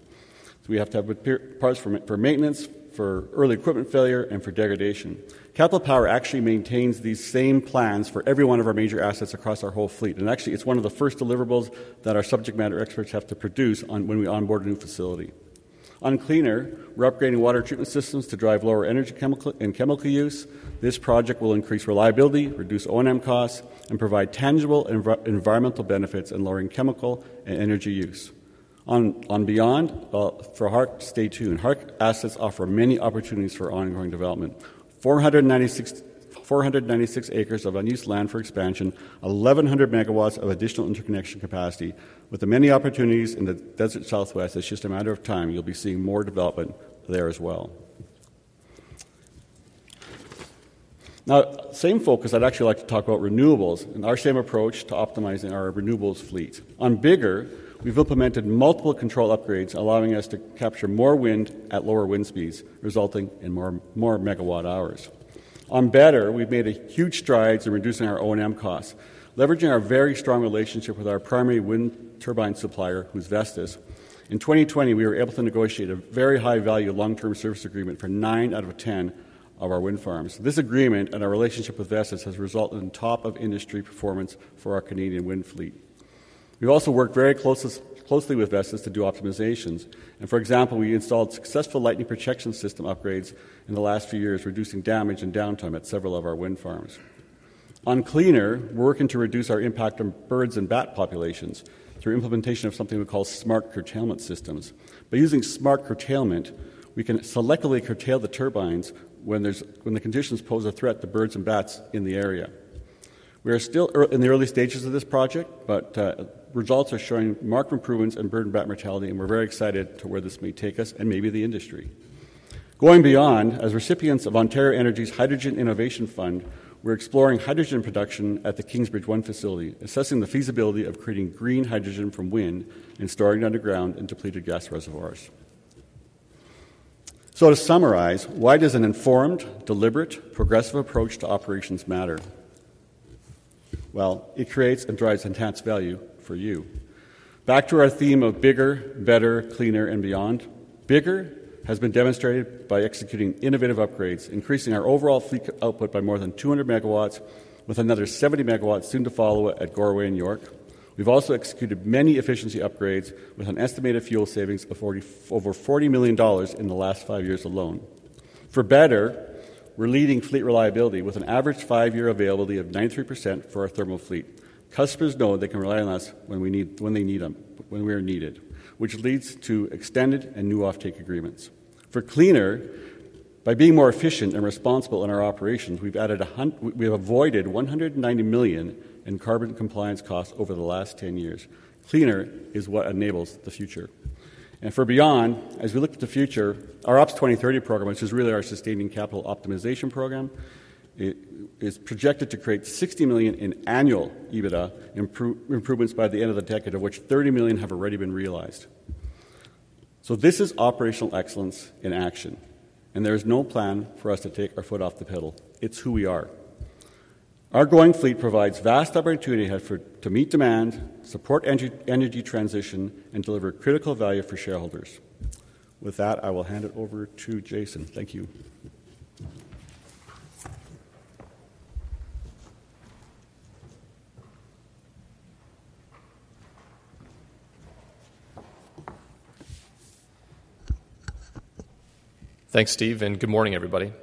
So we have to have parts for maintenance, for early equipment failure, and for degradation. Capital Power actually maintains these same plans for every one of our major assets across our whole fleet. And actually, it's one of the first deliverables that our subject matter experts have to produce when we onboard a new facility. On cleaner, we're upgrading water treatment systems to drive lower energy and chemical use. This project will increase reliability, reduce O&M costs, and provide tangible environmental benefits in lowering chemical and energy use. On beyond, for Harquahala, stay tuned. Harquahala assets offer many opportunities for ongoing development. 496 acres of unused land for expansion, 1,100 MW of additional interconnection capacity, with the many opportunities in the Desert Southwest. It's just a matter of time. You'll be seeing more development there as well. Now, same focus, I'd actually like to talk about renewables and our same approach to optimizing our renewables fleet. On bigger, we've implemented multiple control upgrades, allowing us to capture more wind at lower wind speeds, resulting in more megawatt-hours. On better, we've made huge strides in reducing our O&M costs, leveraging our very strong relationship with our primary wind turbine supplier, who's Vestas. In 2020, we were able to negotiate a very high-value long-term service agreement for nine out of 10 of our wind farms. This agreement and our relationship with Vestas has resulted in top-of-industry performance for our Canadian wind fleet. We've also worked very closely with Vestas to do optimizations. And for example, we installed successful lightning protection system upgrades in the last few years, reducing damage and downtime at several of our wind farms. On cleaner, we're working to reduce our impact on birds and bat populations through implementation of something we call smart curtailment systems. By using smart curtailment, we can selectively curtail the turbines when the conditions pose a threat to birds and bats in the area. We are still in the early stages of this project, but results are showing marked improvements in bird and bat mortality, and we're very excited to where this may take us and maybe the industry. Going beyond, as recipients of Ontario Energy's Hydrogen Innovation Fund, we're exploring hydrogen production at the Kingsbridge 1 facility, assessing the feasibility of creating green hydrogen from wind and storing it underground in depleted gas reservoirs. So to summarize, why does an informed, deliberate, progressive approach to operations matter? Well, it creates and drives enhanced value for you. Back to our theme of bigger, better, cleaner, and beyond. Bigger has been demonstrated by executing innovative upgrades, increasing our overall fleet output by more than 200 MW, with another 70 MW soon to follow at Goreway and York. We've also executed many efficiency upgrades, with an estimated fuel savings of over 40 million dollars in the last five years alone. For better, we're leading fleet reliability with an average five-year availability of 93% for our thermal fleet. Customers know they can rely on us when they need them, when we are needed, which leads to extended and new offtake agreements. For cleaner, by being more efficient and responsible in our operations, we've avoided 190 million in carbon compliance costs over the last 10 years. Cleaner is what enables the future. For beyond, as we look at the future, our Ops 2030 program, which is really our sustaining capital optimization program, is projected to create 60 million in annual EBITDA improvements by the end of the decade, of which 30 million have already been realized. This is operational excellence in action. There is no plan for us to take our foot off the pedal. It's who we are. Our growing fleet provides vast opportunity to meet demand, support energy transition, and deliver critical value for shareholders. With that, I will hand it over to Jason. Thank you. Thanks, Steve, and good morning, everybody.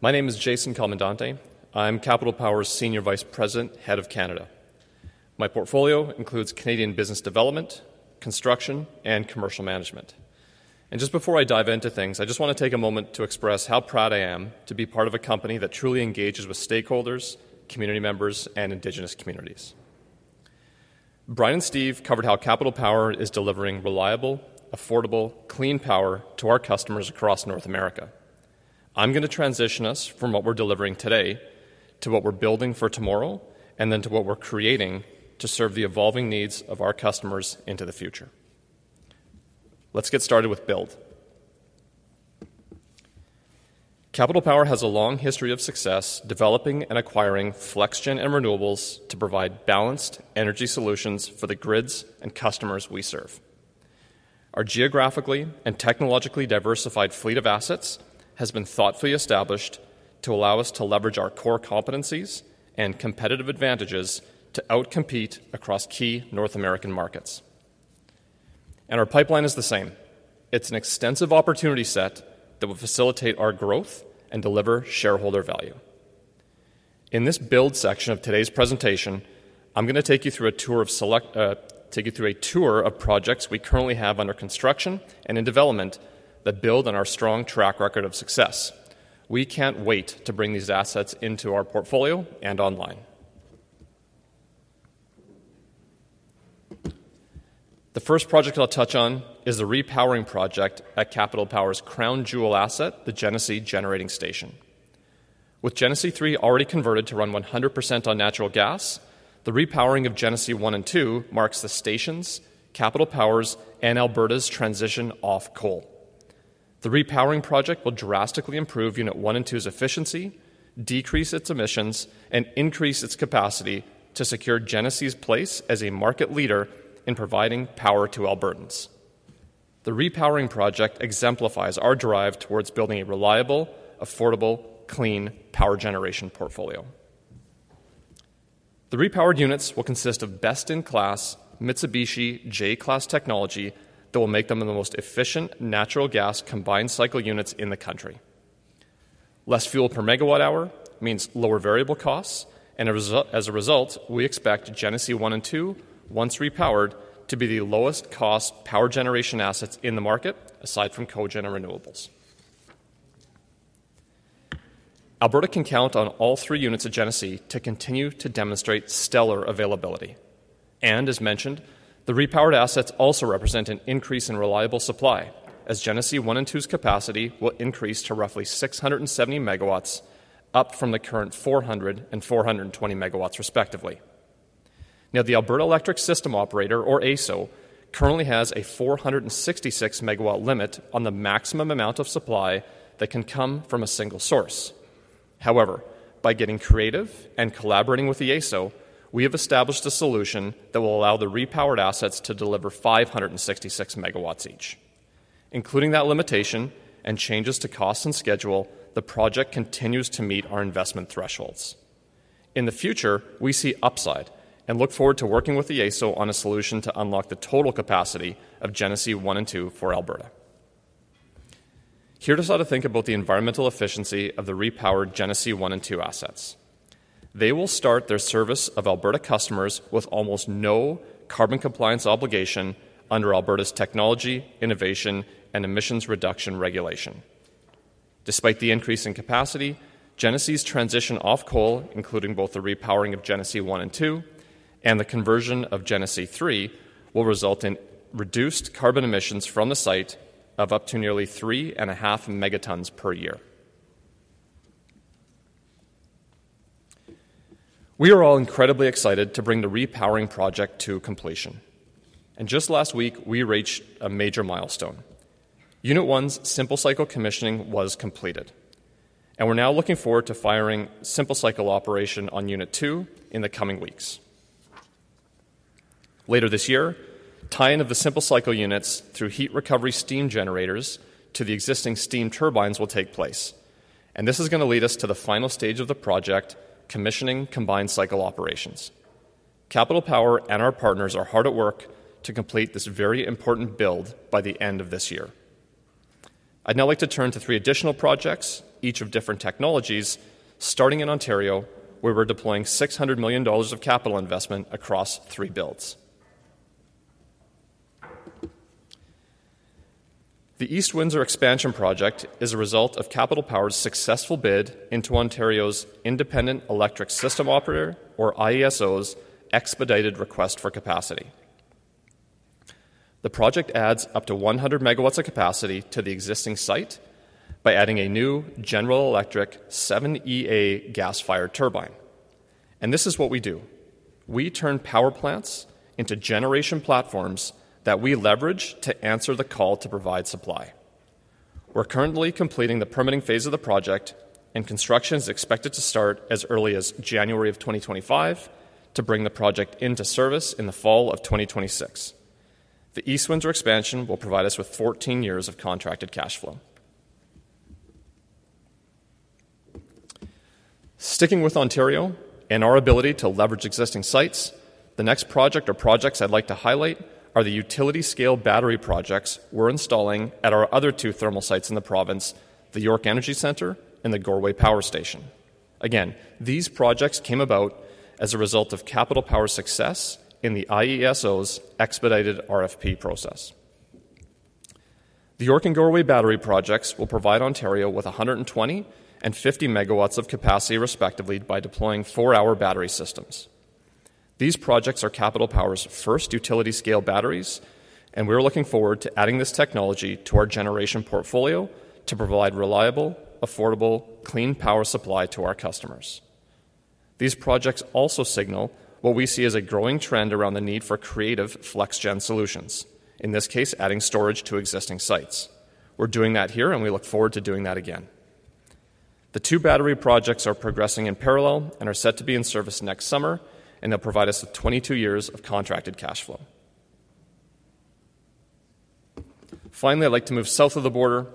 My name is Jason Comandante. I'm Capital Power's Senior Vice President, Head of Canada. My portfolio includes Canadian business development, construction, and commercial management. Just before I dive into things, I just want to take a moment to express how proud I am to be part of a company that truly engages with stakeholders, community members, and Indigenous communities. Bryan and Steve covered how Capital Power is delivering reliable, affordable, clean power to our customers across North America. I'm going to transition us from what we're delivering today to what we're building for tomorrow, and then to what we're creating to serve the evolving needs of our customers into the future. Let's get started with build. Capital Power has a long history of success developing and acquiring FlexGen and renewables to provide balanced energy solutions for the grids and customers we serve. Our geographically and technologically diversified fleet of assets has been thoughtfully established to allow us to leverage our core competencies and competitive advantages to outcompete across key North American markets. Our pipeline is the same. It's an extensive opportunity set that will facilitate our growth and deliver shareholder value. In this build section of today's presentation, I'm going to take you through a tour of projects we currently have under construction and in development that build on our strong track record of success. We can't wait to bring these assets into our portfolio and online. The first project I'll touch on is the repowering project at Capital Power's crown jewel asset, the Genesee Generating Station. With Genesee 3 already converted to run 100% on natural gas, the repowering of Genesee 1 and 2 marks the station's, Capital Power's, and Alberta's transition off coal. The repowering project will drastically improve Unit 1 and 2's efficiency, decrease its emissions, and increase its capacity to secure Genesee's place as a market leader in providing power to Albertans. The repowering project exemplifies our drive towards building a reliable, affordable, clean power generation portfolio. The repowered units will consist of best-in-class Mitsubishi J-Class technology that will make them the most efficient natural gas combined cycle units in the country. Less fuel per megawatt-hour means lower variable costs, and as a result, we expect Genesee 1 and 2, once repowered, to be the lowest-cost power generation assets in the market, aside from cogen and renewables. Alberta can count on all three units of Genesee to continue to demonstrate stellar availability. As mentioned, the repowered assets also represent an increase in reliable supply, as Genesee 1 and 2's capacity will increase to roughly 670 MW, up from the current 400 and 420 MW, respectively. Now, the Alberta Electric System Operator, or AESO, currently has a 466-MW limit on the maximum amount of supply that can come from a single source. However, by getting creative and collaborating with the AESO, we have established a solution that will allow the repowered assets to deliver 566 MW each. Including that limitation and changes to cost and schedule, the project continues to meet our investment thresholds. In the future, we see upside and look forward to working with the AESO on a solution to unlock the total capacity of Genesee 1 and 2 for Alberta. Here's how to think about the environmental efficiency of the repowered Genesee 1 and 2 assets. They will start their service of Alberta customers with almost no carbon compliance obligation under Alberta's Technology Innovation and Emissions Reduction regulation. Despite the increase in capacity, Genesee's transition off coal, including both the repowering of Genesee 1 and 2 and the conversion of Genesee 3, will result in reduced carbon emissions from the site of up to nearly 3.5 Mt per year. We are all incredibly excited to bring the repowering project to completion. Just last week, we reached a major milestone. Unit 1's simple cycle commissioning was completed. We're now looking forward to firing simple cycle operation on Unit 2 in the coming weeks. Later this year, tie-in of the simple cycle units through heat recovery steam generators to the existing steam turbines will take place. This is going to lead us to the final stage of the project, commissioning combined cycle operations. Capital Power and our partners are hard at work to complete this very important build by the end of this year. I'd now like to turn to three additional projects, each of different technologies, starting in Ontario, where we're deploying 600 million dollars of capital investment across three builds. The East Windsor Expansion Project is a result of Capital Power's successful bid into Ontario's Independent Electricity System Operator, or IESO's, expedited request for capacity. The project adds up to 100 MW of capacity to the existing site by adding a new General Electric 7EA gas-fired turbine. This is what we do. We turn power plants into generation platforms that we leverage to answer the call to provide supply. We're currently completing the permitting phase of the project, and construction is expected to start as early as January of 2025 to bring the project into service in the fall of 2026. The East Windsor Expansion will provide us with 14 years of contracted cash flow. Sticking with Ontario and our ability to leverage existing sites, the next project or projects I'd like to highlight are the utility-scale battery projects we're installing at our other two thermal sites in the province, the York Energy Centre and the Goreway Power Station. Again, these projects came about as a result of Capital Power's success in the IESO's expedited RFP process. The York and Goreway battery projects will provide Ontario with 120 MW and 50 MW of capacity, respectively, by deploying four-hour battery systems. These projects are Capital Power's first utility-scale batteries, and we're looking forward to adding this technology to our generation portfolio to provide reliable, affordable, clean power supply to our customers. These projects also signal what we see as a growing trend around the need for creative FlexGen solutions, in this case, adding storage to existing sites. We're doing that here, and we look forward to doing that again. The two battery projects are progressing in parallel and are set to be in service next summer, and they'll provide us with 22 years of contracted cash flow. Finally, I'd like to move south of the border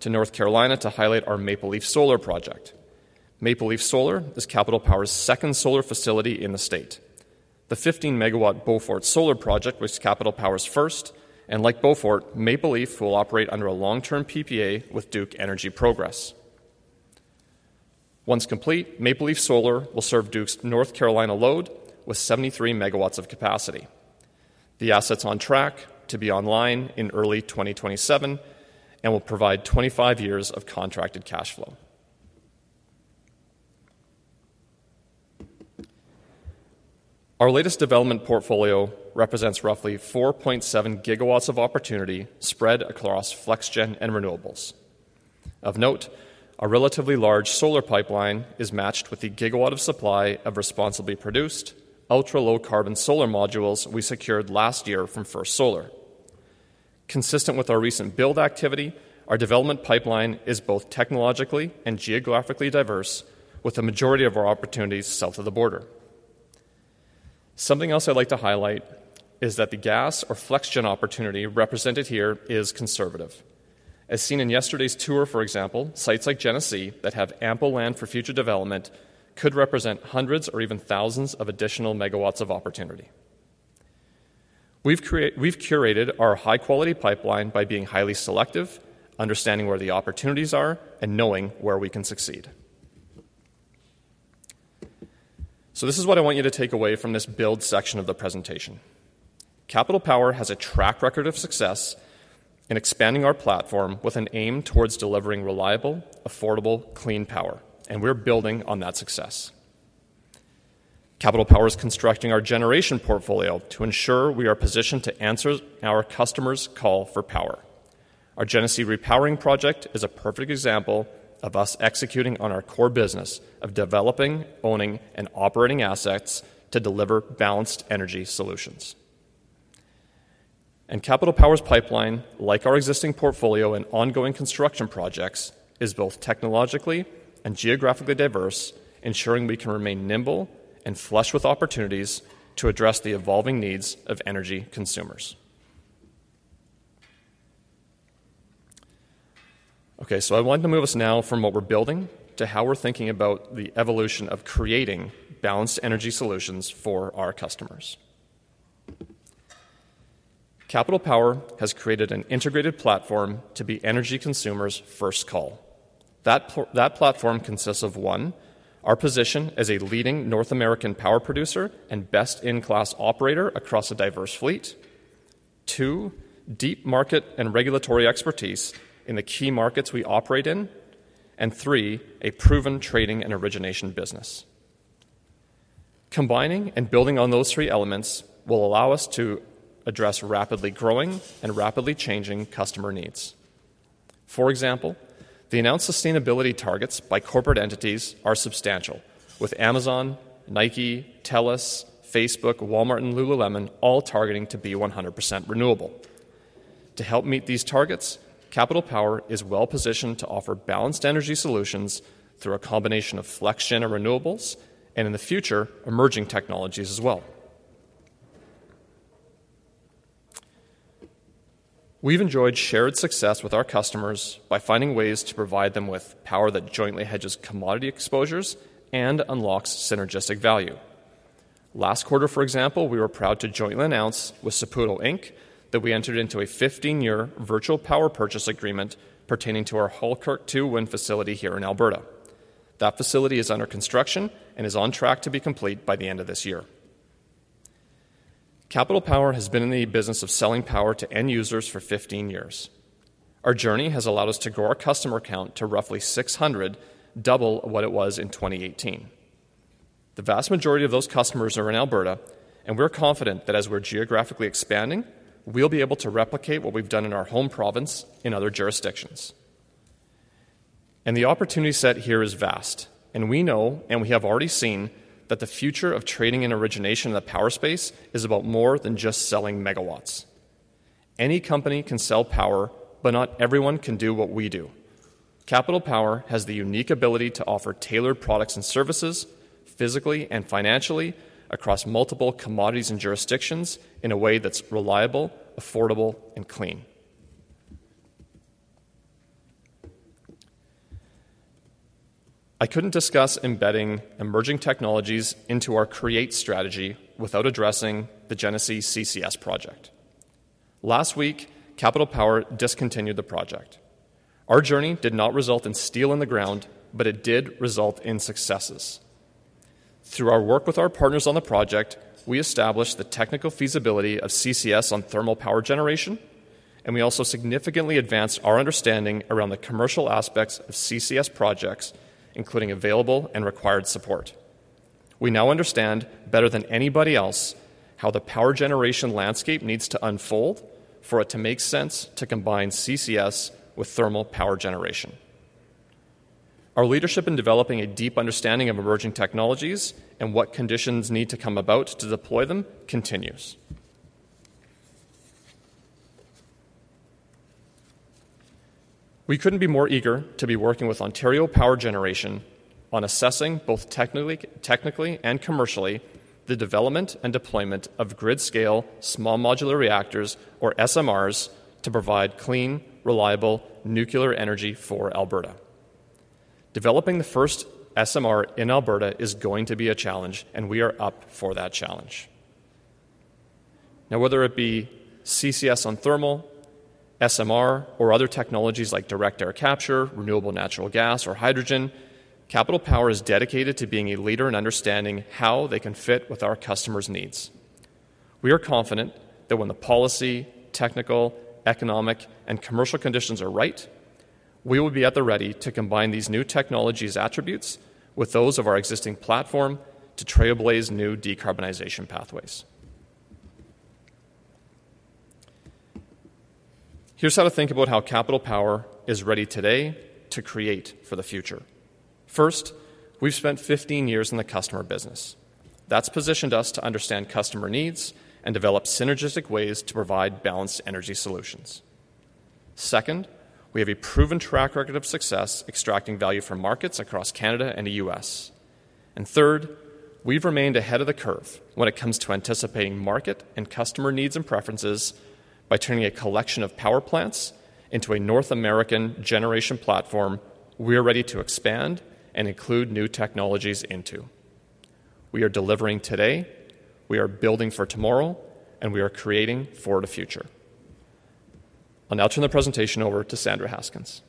to North Carolina to highlight our Maple Leaf Solar project. Maple Leaf Solar is Capital Power's second solar facility in the state. The 15-MW Beaufort Solar project was Capital Power's first, and like Beaufort, Maple Leaf will operate under a long-term PPA with Duke Energy Progress. Once complete, Maple Leaf Solar will serve Duke's North Carolina load with 73 MW of capacity. The asset's on track to be online in early 2027 and will provide 25 years of contracted cash flow. Our latest development portfolio represents roughly 4.7 GW of opportunity spread across FlexGen and renewables. Of note, a relatively large solar pipeline is matched with the 1 GW of supply of responsibly produced, ultra-low-carbon solar modules we secured last year from First Solar. Consistent with our recent build activity, our development pipeline is both technologically and geographically diverse, with the majority of our opportunities south of the border. Something else I'd like to highlight is that the gas or FlexGen opportunity represented here is conservative. As seen in yesterday's tour, for example, sites like Genesee that have ample land for future development could represent hundreds or even thousands of additional megawatts of opportunity. We've curated our high-quality pipeline by being highly selective, understanding where the opportunities are, and knowing where we can succeed. So this is what I want you to take away from this build section of the presentation. Capital Power has a track record of success in expanding our platform with an aim towards delivering reliable, affordable, clean power, and we're building on that success. Capital Power is constructing our generation portfolio to ensure we are positioned to answer our customers' call for power. Our Genesee Repowering Project is a perfect example of us executing on our core business of developing, owning, and operating assets to deliver balanced energy solutions. Capital Power's pipeline, like our existing portfolio and ongoing construction projects, is both technologically and geographically diverse, ensuring we can remain nimble and flush with opportunities to address the evolving needs of energy consumers. Okay, so I wanted to move us now from what we're building to how we're thinking about the evolution of creating balanced energy solutions for our customers. Capital Power has created an integrated platform to be energy consumers' first call. That platform consists of, one, our position as a leading North American power producer and best-in-class operator across a diverse fleet. Two, deep market and regulatory expertise in the key markets we operate in. And three, a proven trading and origination business. Combining and building on those three elements will allow us to address rapidly growing and rapidly changing customer needs. For example, the announced sustainability targets by corporate entities are substantial, with Amazon, Nike, Telus, Facebook, Walmart, and Lululemon all targeting to be 100% renewable. To help meet these targets, Capital Power is well-positioned to offer balanced energy solutions through a combination of FlexGen and renewables, and in the future, emerging technologies as well. We've enjoyed shared success with our customers by finding ways to provide them with power that jointly hedges commodity exposures and unlocks synergistic value. Last quarter, for example, we were proud to jointly announce with Saputo, Inc., that we entered into a 15-year virtual power purchase agreement pertaining to our Halkirk 2 Wind facility here in Alberta. That facility is under construction and is on track to be complete by the end of this year. Capital Power has been in the business of selling power to end users for 15 years. Our journey has allowed us to grow our customer count to roughly 600, double what it was in 2018. The vast majority of those customers are in Alberta, and we're confident that as we're geographically expanding, we'll be able to replicate what we've done in our home province in other jurisdictions. The opportunity set here is vast, and we know and we have already seen that the future of trading and origination in the power space is about more than just selling megawatts. Any company can sell power, but not everyone can do what we do. Capital Power has the unique ability to offer tailored products and services physically and financially across multiple commodities and jurisdictions in a way that's reliable, affordable, and clean. I couldn't discuss embedding emerging technologies into our core strategy without addressing the Genesee CCS project. Last week, Capital Power discontinued the project. Our journey did not result in steel in the ground, but it did result in successes. Through our work with our partners on the project, we established the technical feasibility of CCS on thermal power generation, and we also significantly advanced our understanding around the commercial aspects of CCS projects, including available and required support. We now understand better than anybody else how the power generation landscape needs to unfold for it to make sense to combine CCS with thermal power generation. Our leadership in developing a deep understanding of emerging technologies and what conditions need to come about to deploy them continues. We couldn't be more eager to be working with Ontario Power Generation on assessing both technically and commercially the development and deployment of grid-scale small modular reactors, or SMRs, to provide clean, reliable nuclear energy for Alberta. Developing the first SMR in Alberta is going to be a challenge, and we are up for that challenge. Now, whether it be CCS on thermal, SMR, or other technologies like direct air capture, renewable natural gas, or hydrogen, Capital Power is dedicated to being a leader in understanding how they can fit with our customers' needs. We are confident that when the policy, technical, economic, and commercial conditions are right, we will be at the ready to combine these new technologies' attributes with those of our existing platform to trailblaze new decarbonization pathways. Here's how to think about how Capital Power is ready today to create for the future. First, we've spent 15 years in the customer business. That's positioned us to understand customer needs and develop synergistic ways to provide balanced energy solutions. Second, we have a proven track record of success extracting value from markets across Canada and the U.S. And third, we've remained ahead of the curve when it comes to anticipating market and customer needs and preferences by turning a collection of power plants into a North American generation platform we're ready to expand and include new technologies into. We are delivering today. We are building for tomorrow. And we are creating for the future. I'll now turn the presentation over to Sandra Haskins.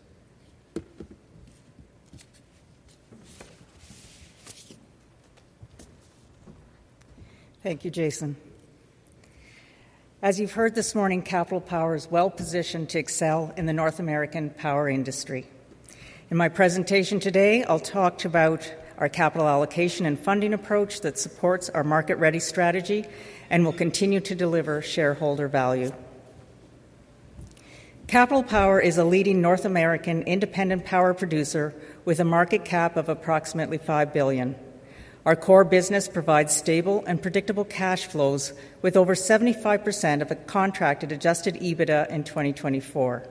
Thank you, Jason. As you've heard this morning, Capital Power is well-positioned to excel in the North American power industry. In my presentation today, I'll talk about our capital allocation and funding approach that supports our market-ready strategy and will continue to deliver shareholder value. Capital Power is a leading North American independent power producer with a market cap of approximately 5 billion. Our core business provides stable and predictable cash flows with over 75% of a contracted Adjusted EBITDA in 2024.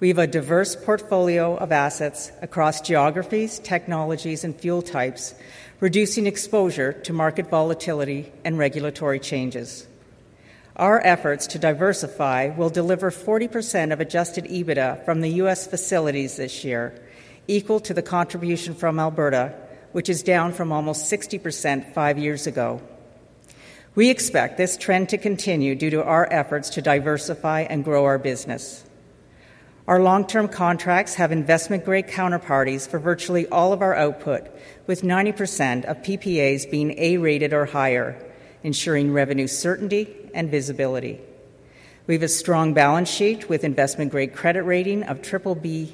We have a diverse portfolio of assets across geographies, technologies, and fuel types, reducing exposure to market volatility and regulatory changes. Our efforts to diversify will deliver 40% of Adjusted EBITDA from the U.S. facilities this year, equal to the contribution from Alberta, which is down from almost 60% five years ago. We expect this trend to continue due to our efforts to diversify and grow our business. Our long-term contracts have investment-grade counterparties for virtually all of our output, with 90% of PPAs being A-rated or higher, ensuring revenue certainty and visibility. We have a strong balance sheet with investment-grade credit rating of BBB-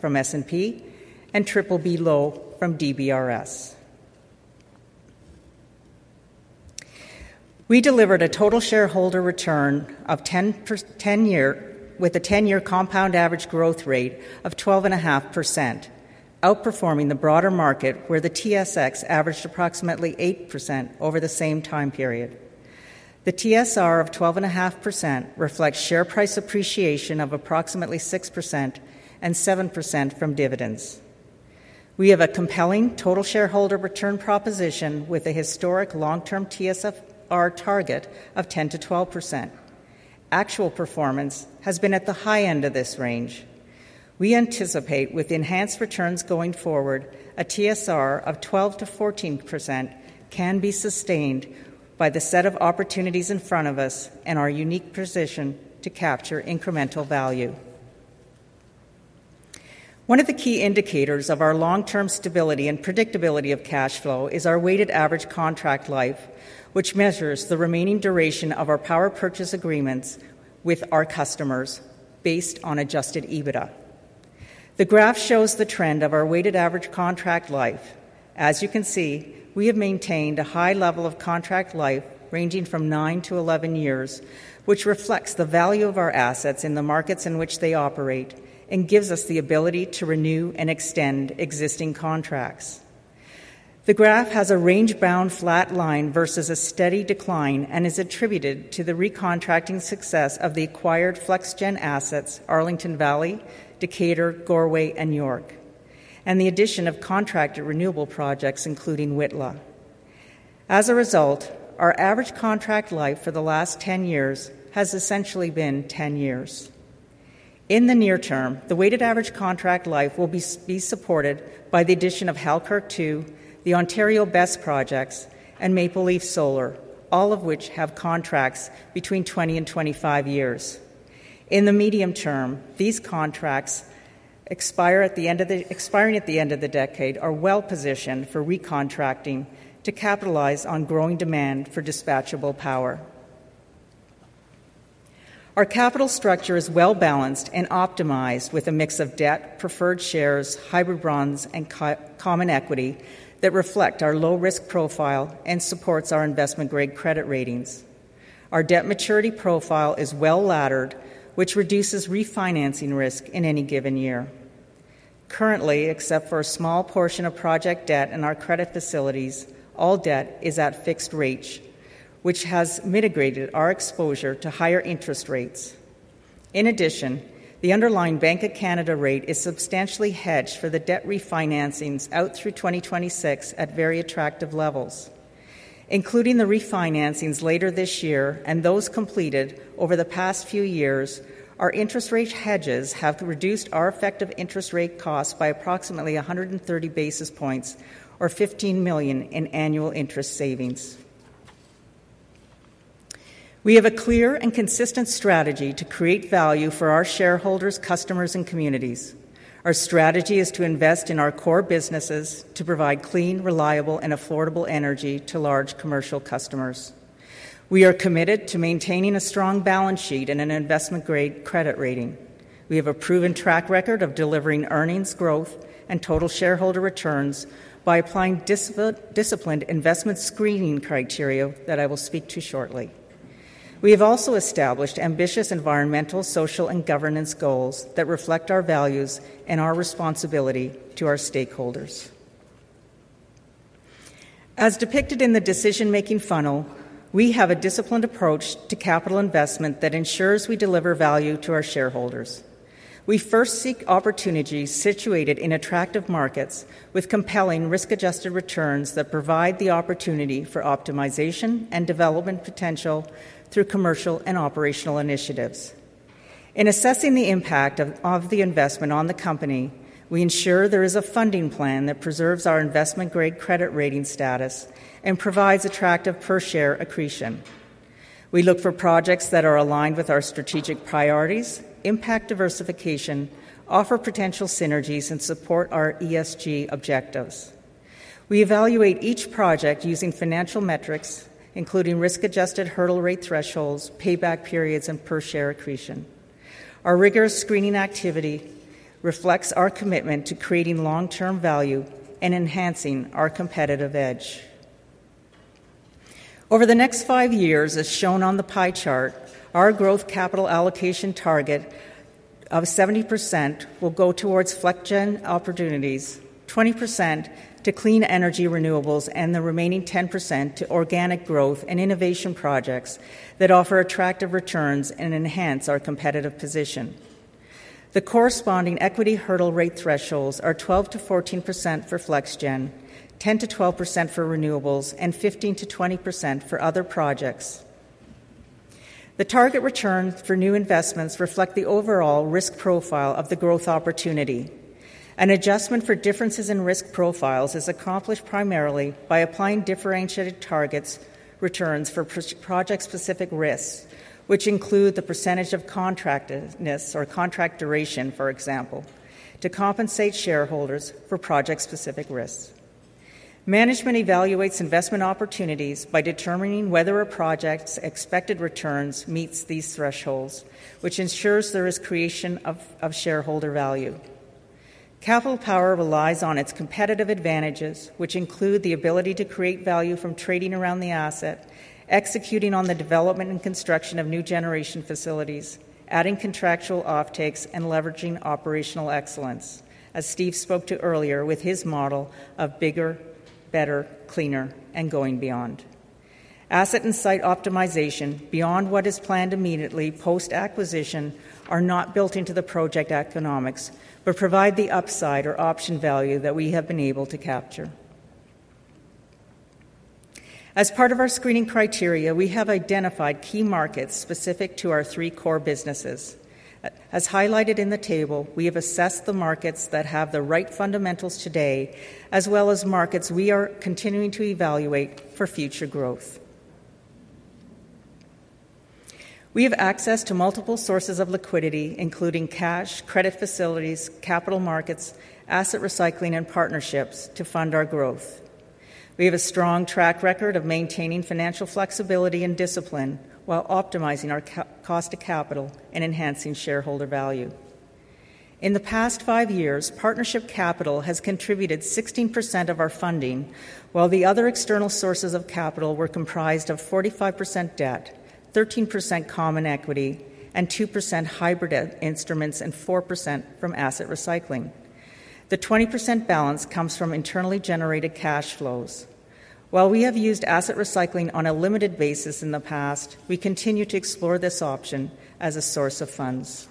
from S&P and BBB-low from DBRS. We delivered a total shareholder return with a 10-year compound average growth rate of 12.5%, outperforming the broader market where the TSX averaged approximately 8% over the same time period. The TSR of 12.5% reflects share price appreciation of approximately 6% and 7% from dividends. We have a compelling total shareholder return proposition with a historic long-term TSR target of 10%-12%. Actual performance has been at the high end of this range. We anticipate, with enhanced returns going forward, a TSR of 12%-14% can be sustained by the set of opportunities in front of us and our unique position to capture incremental value. One of the key indicators of our long-term stability and predictability of cash flow is our weighted average contract life, which measures the remaining duration of our power purchase agreements with our customers based on adjusted EBITDA. The graph shows the trend of our weighted average contract life. As you can see, we have maintained a high level of contract life ranging from 9-11 years, which reflects the value of our assets in the markets in which they operate and gives us the ability to renew and extend existing contracts. The graph has a range-bound flat line versus a steady decline and is attributed to the recontracting success of the acquired FlexGen assets Arlington Valley, Decatur, Goreway, and York, and the addition of contracted renewable projects including Whitla. As a result, our average contract life for the last 10 years has essentially been 10 years. In the near term, the weighted average contract life will be supported by the addition of Halkirk 2, the Ontario BESS Projects, and Maple Leaf Solar, all of which have contracts between 20-25 years. In the medium term, these contracts expiring at the end of the decade are well-positioned for recontracting to capitalize on growing demand for dispatchable power. Our capital structure is well-balanced and optimized with a mix of debt, preferred shares, hybrid bonds, and common equity that reflect our low-risk profile and supports our investment-grade credit ratings. Our debt maturity profile is well-laddered, which reduces refinancing risk in any given year. Currently, except for a small portion of project debt in our credit facilities, all debt is at fixed rate, which has mitigated our exposure to higher interest rates. In addition, the underlying Bank of Canada rate is substantially hedged for the debt refinancings out through 2026 at very attractive levels. Including the refinancings later this year and those completed over the past few years, our interest rate hedges have reduced our effective interest rate costs by approximately 130 basis points, or CAD 15 million, in annual interest savings. We have a clear and consistent strategy to create value for our shareholders, customers, and communities. Our strategy is to invest in our core businesses to provide clean, reliable, and affordable energy to large commercial customers. We are committed to maintaining a strong balance sheet and an investment-grade credit rating. We have a proven track record of delivering earnings, growth, and total shareholder returns by applying disciplined investment screening criteria that I will speak to shortly. We have also established ambitious environmental, social, and governance goals that reflect our values and our responsibility to our stakeholders. As depicted in the decision-making funnel, we have a disciplined approach to capital investment that ensures we deliver value to our shareholders. We first seek opportunities situated in attractive markets with compelling risk-adjusted returns that provide the opportunity for optimization and development potential through commercial and operational initiatives. In assessing the impact of the investment on the company, we ensure there is a funding plan that preserves our investment-grade credit rating status and provides attractive per-share accretion. We look for projects that are aligned with our strategic priorities, impact diversification, offer potential synergies, and support our ESG objectives. We evaluate each project using financial metrics, including risk-adjusted hurdle rate thresholds, payback periods, and per-share accretion. Our rigorous screening activity reflects our commitment to creating long-term value and enhancing our competitive edge. Over the next five years, as shown on the pie chart, our growth capital allocation target of 70% will go towards FlexGen opportunities, 20% to clean energy renewables, and the remaining 10% to organic growth and innovation projects that offer attractive returns and enhance our competitive position. The corresponding equity hurdle rate thresholds are 12%-14% for FlexGen, 10%-12% for renewables, and 15%-20% for other projects. The target returns for new investments reflect the overall risk profile of the growth opportunity. An adjustment for differences in risk profiles is accomplished primarily by applying differentiated target returns for project-specific risks, which include the percentage of contractedness or contract duration, for example, to compensate shareholders for project-specific risks. Management evaluates investment opportunities by determining whether a project's expected returns meet these thresholds, which ensures there is creation of shareholder value. Capital Power relies on its competitive advantages, which include the ability to create value from trading around the asset, executing on the development and construction of new generation facilities, adding contractual offtakes, and leveraging operational excellence, as Steve spoke to earlier with his model of bigger, better, cleaner, and going beyond. Asset and site optimization beyond what is planned immediately post-acquisition are not built into the project economics but provide the upside or option value that we have been able to capture. As part of our screening criteria, we have identified key markets specific to our three core businesses. As highlighted in the table, we have assessed the markets that have the right fundamentals today as well as markets we are continuing to evaluate for future growth. We have access to multiple sources of liquidity, including cash, credit facilities, capital markets, asset recycling, and partnerships to fund our growth. We have a strong track record of maintaining financial flexibility and discipline while optimizing our cost of capital and enhancing shareholder value. In the past five years, partnership capital has contributed 16% of our funding, while the other external sources of capital were comprised of 45% debt, 13% common equity, and 2% hybrid instruments and 4% from asset recycling. The 20% balance comes from internally generated cash flows. While we have used asset recycling on a limited basis in the past, we continue to explore this option as a source of funds.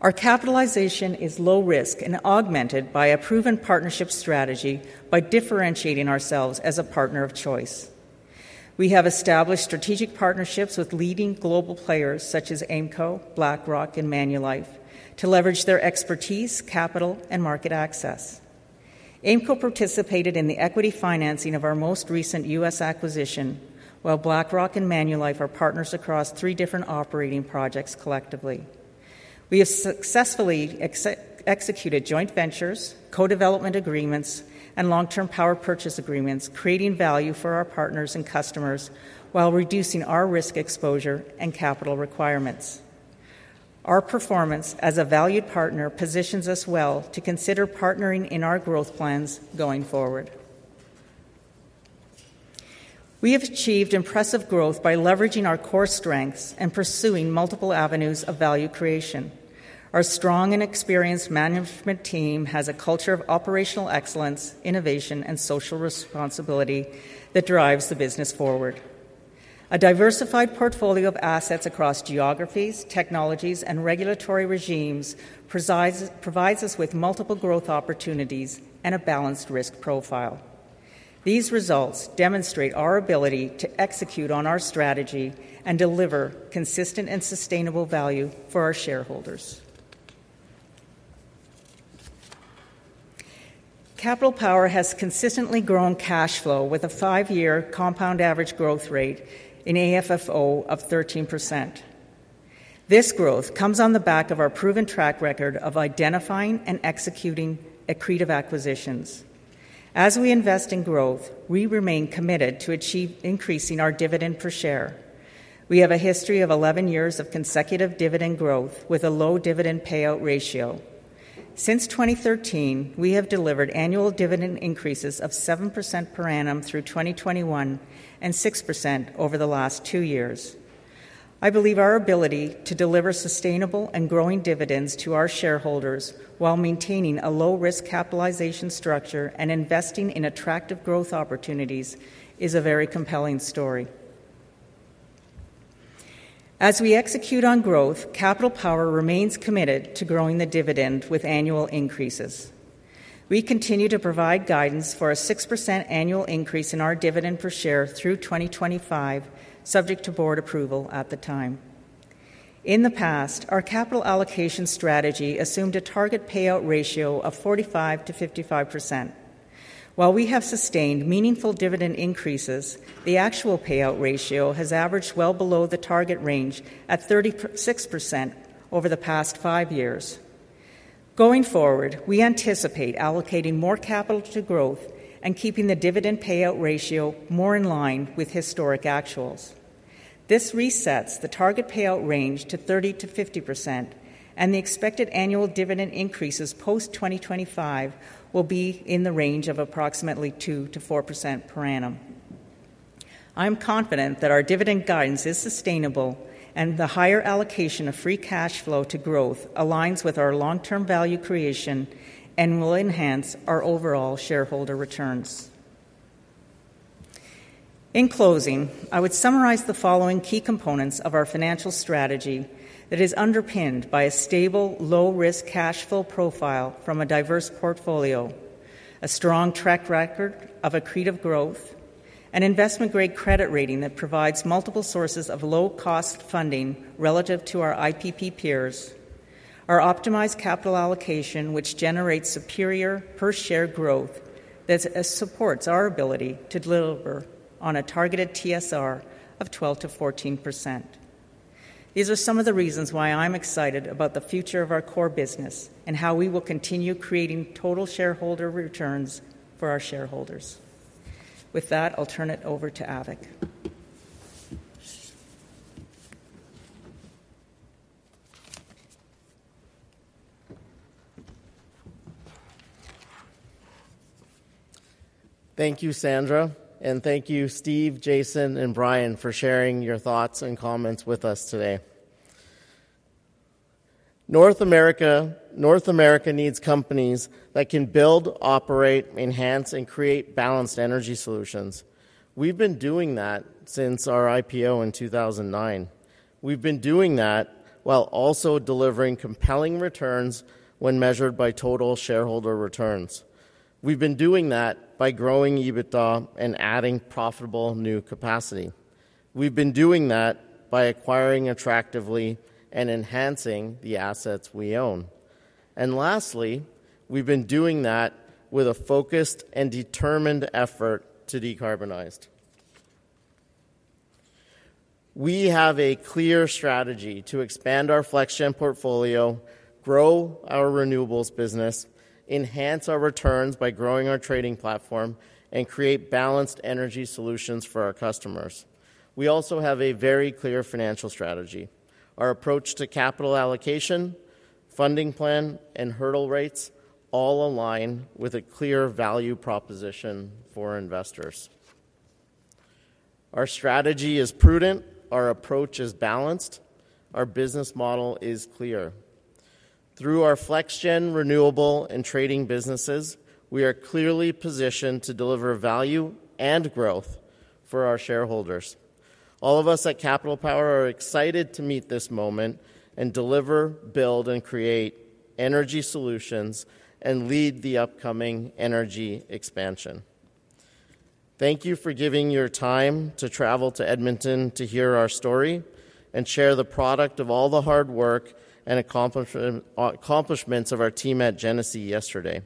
Our capitalization is low-risk and augmented by a proven partnership strategy by differentiating ourselves as a partner of choice. We have established strategic partnerships with leading global players such as AIMCo, BlackRock, and Manulife to leverage their expertise, capital, and market access. AIMCo participated in the equity financing of our most recent U.S. acquisition, while BlackRock and Manulife are partners across three different operating projects collectively. We have successfully executed joint ventures, co-development agreements, and long-term power purchase agreements, creating value for our partners and customers while reducing our risk exposure and capital requirements. Our performance as a valued partner positions us well to consider partnering in our growth plans going forward. We have achieved impressive growth by leveraging our core strengths and pursuing multiple avenues of value creation. Our strong and experienced management team has a culture of operational excellence, innovation, and social responsibility that drives the business forward. A diversified portfolio of assets across geographies, technologies, and regulatory regimes provides us with multiple growth opportunities and a balanced risk profile. These results demonstrate our ability to execute on our strategy and deliver consistent and sustainable value for our shareholders. Capital Power has consistently grown cash flow with a five-year compound average growth rate in AFFO of 13%. This growth comes on the back of our proven track record of identifying and executing accretive acquisitions. As we invest in growth, we remain committed to increasing our dividend per share. We have a history of 11 years of consecutive dividend growth with a low dividend payout ratio. Since 2013, we have delivered annual dividend increases of 7% per annum through 2021 and 6% over the last two years. I believe our ability to deliver sustainable and growing dividends to our shareholders while maintaining a low-risk capitalization structure and investing in attractive growth opportunities is a very compelling story. As we execute on growth, Capital Power remains committed to growing the dividend with annual increases. We continue to provide guidance for a 6% annual increase in our dividend per share through 2025, subject to board approval at the time. In the past, our capital allocation strategy assumed a target payout ratio of 45%-55%. While we have sustained meaningful dividend increases, the actual payout ratio has averaged well below the target range at 36% over the past five years. Going forward, we anticipate allocating more capital to growth and keeping the dividend payout ratio more in line with historic actuals. This resets the target payout range to 30%-50%, and the expected annual dividend increases post-2025 will be in the range of approximately 2%-4% per annum. I'm confident that our dividend guidance is sustainable, and the higher allocation of free cash flow to growth aligns with our long-term value creation and will enhance our overall shareholder returns. In closing, I would summarize the following key components of our financial strategy that is underpinned by a stable, low-risk cash flow profile from a diverse portfolio, a strong track record of accretive growth, an investment-grade credit rating that provides multiple sources of low-cost funding relative to our IPP peers, our optimized capital allocation, which generates superior per-share growth that supports our ability to deliver on a targeted TSR of 12%-14%. These are some of the reasons why I'm excited about the future of our core business and how we will continue creating total shareholder returns for our shareholders. With that, I'll turn it over to Avik. Thank you, Sandra. And thank you, Steve, Jason, and Bryan for sharing your thoughts and comments with us today. North America needs companies that can build, operate, enhance, and create balanced energy solutions. We've been doing that since our IPO in 2009. We've been doing that while also delivering compelling returns when measured by total shareholder returns. We've been doing that by growing EBITDA and adding profitable new capacity. We've been doing that by acquiring attractively and enhancing the assets we own. Lastly, we've been doing that with a focused and determined effort to decarbonize. We have a clear strategy to expand our FlexGen portfolio, grow our renewables business, enhance our returns by growing our trading platform, and create balanced energy solutions for our customers. We also have a very clear financial strategy. Our approach to capital allocation, funding plan, and hurdle rates all align with a clear value proposition for investors. Our strategy is prudent. Our approach is balanced. Our business model is clear. Through our FlexGen renewable and trading businesses, we are clearly positioned to deliver value and growth for our shareholders. All of us at Capital Power are excited to meet this moment and deliver, build, and create energy solutions and lead the upcoming energy expansion. Thank you for giving your time to travel to Edmonton to hear our story and share the product of all the hard work and accomplishments of our team at Genesee yesterday.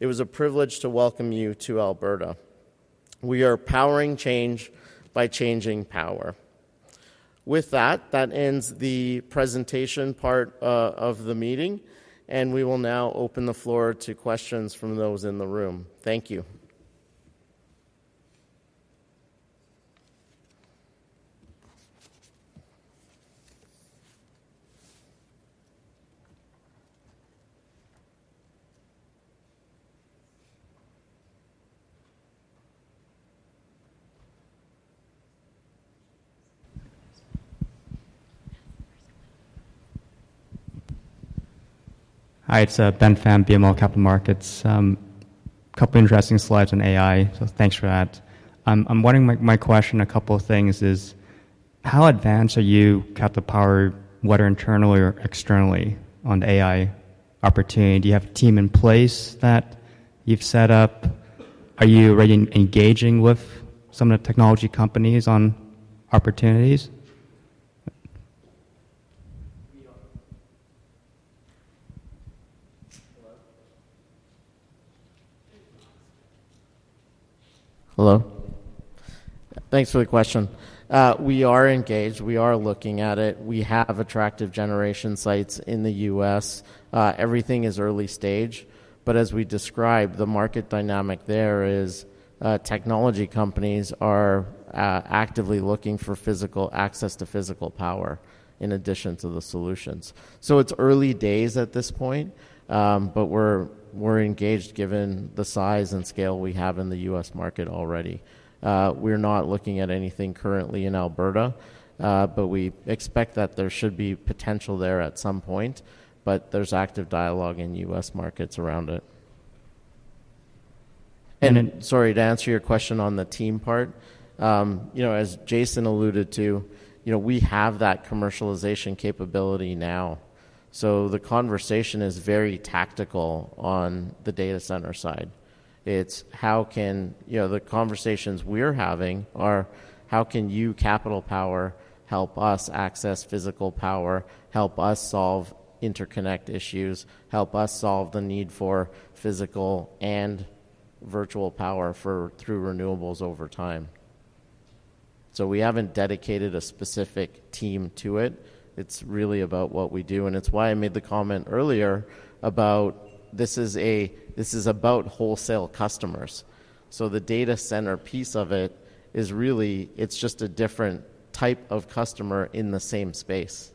It was a privilege to welcome you to Alberta. We are powering change by changing power. With that, that ends the presentation part of the meeting, and we will now open the floor to questions from those in the room. Thank you. Hi. It's Ben Pham, BMO Capital Markets. A couple of interesting slides on AI, so thanks for that. I'm wondering my question, a couple of things, is how advanced are you, Capital Power, whether internally or externally, on the AI opportunity? Do you have a team in place that you've set up? Are you already engaging with some of the technology companies on opportunities? Hello? Hello? Thanks for the question. We are engaged. We are looking at it. We have attractive generation sites in the U.S. Everything is early stage. But as we described, the market dynamic there is technology companies are actively looking for access to physical power in addition to the solutions. So it's early days at this point, but we're engaged given the size and scale we have in the U.S. market already. We're not looking at anything currently in Alberta, but we expect that there should be potential there at some point. But there's active dialogue in U.S. markets around it. And sorry to answer your question on the team part. As Jason alluded to, we have that commercialization capability now. So the conversation is very tactical on the data center side. It's how can the conversations we're having are how can you, Capital Power, help us access physical power, help us solve interconnect issues, help us solve the need for physical and virtual power through renewables over time. So we haven't dedicated a specific team to it. It's really about what we do. And it's why I made the comment earlier about this is about wholesale customers. So the data center piece of it is really it's just a different type of customer in the same space.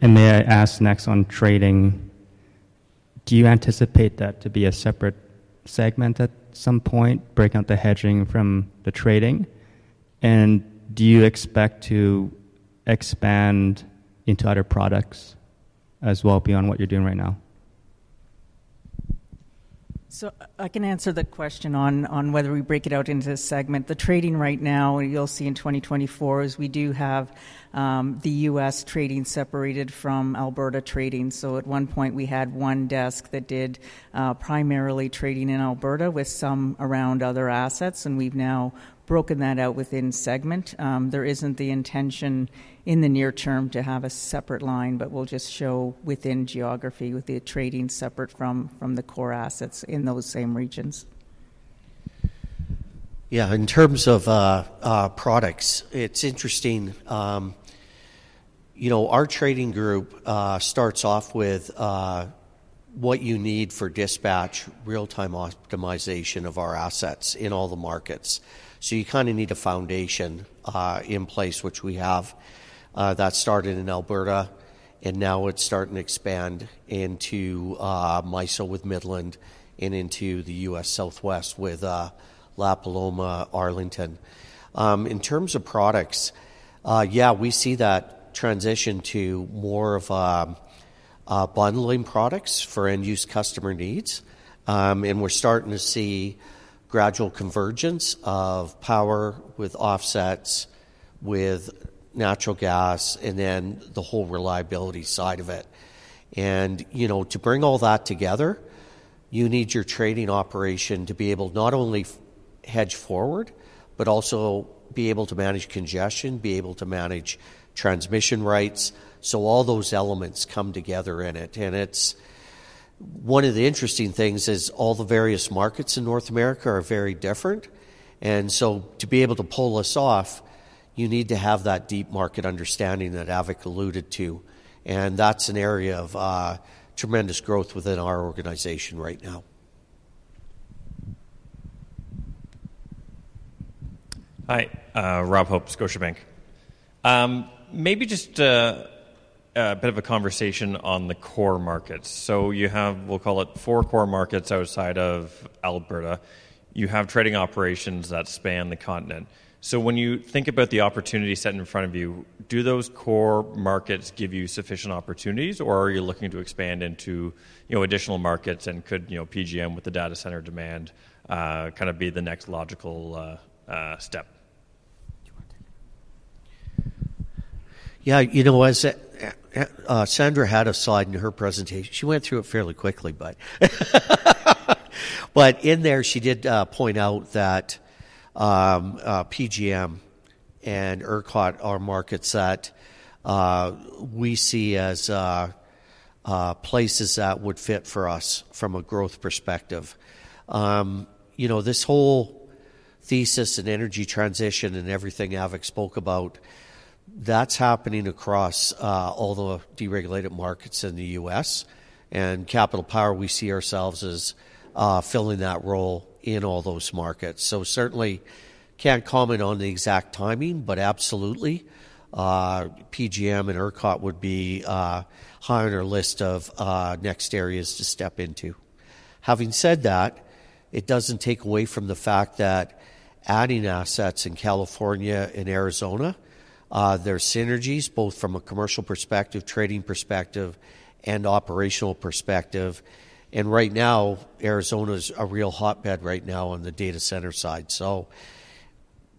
And may I ask next on trading, do you anticipate that to be a separate segment at some point, break out the hedging from the trading? And do you expect to expand into other products as well beyond what you're doing right now? So I can answer the question on whether we break it out into a segment. The trading right now, you'll see in 2024, is we do have the U.S. trading separated from Alberta trading. So at one point, we had one desk that did primarily trading in Alberta with some around other assets. We've now broken that out within segment. There isn't the intention in the near term to have a separate line, but we'll just show within geography with the trading separate from the core assets in those same regions. Yeah. In terms of products, it's interesting. Our trading group starts off with what you need for dispatch, real-time optimization of our assets in all the markets. So you kind of need a foundation in place, which we have. That started in Alberta, and now it's starting to expand into MISO with Midland and into the U.S. Southwest with La Paloma, Arlington. In terms of products, yeah, we see that transition to more of bundling products for end-use customer needs. We're starting to see gradual convergence of power with offsets, with natural gas, and then the whole reliability side of it. To bring all that together, you need your trading operation to be able not only hedge forward but also be able to manage congestion, be able to manage transmission rights. So all those elements come together in it. One of the interesting things is all the various markets in North America are very different. To be able to pull it off, you need to have that deep market understanding that Avik alluded to. That's an area of tremendous growth within our organization right now. Hi. Rob Hope, Scotiabank. Maybe just a bit of a conversation on the core markets. You have, we'll call it, four core markets outside of Alberta. You have trading operations that span the continent. So when you think about the opportunity set in front of you, do those core markets give you sufficient opportunities, or are you looking to expand into additional markets and could PJM with the data center demand kind of be the next logical step? Yeah. You know what? Sandra had a slide in her presentation. She went through it fairly quickly, but in there, she did point out that PJM and ERCOT are markets that we see as places that would fit for us from a growth perspective. This whole thesis and energy transition and everything Avik spoke about, that's happening across all the deregulated markets in the U.S. And Capital Power, we see ourselves as filling that role in all those markets. So certainly can't comment on the exact timing, but absolutely, PJM and ERCOT would be high on our list of next areas to step into. Having said that, it doesn't take away from the fact that adding assets in California and Arizona, there are synergies both from a commercial perspective, trading perspective, and operational perspective. And right now, Arizona is a real hotbed right now on the data center side. So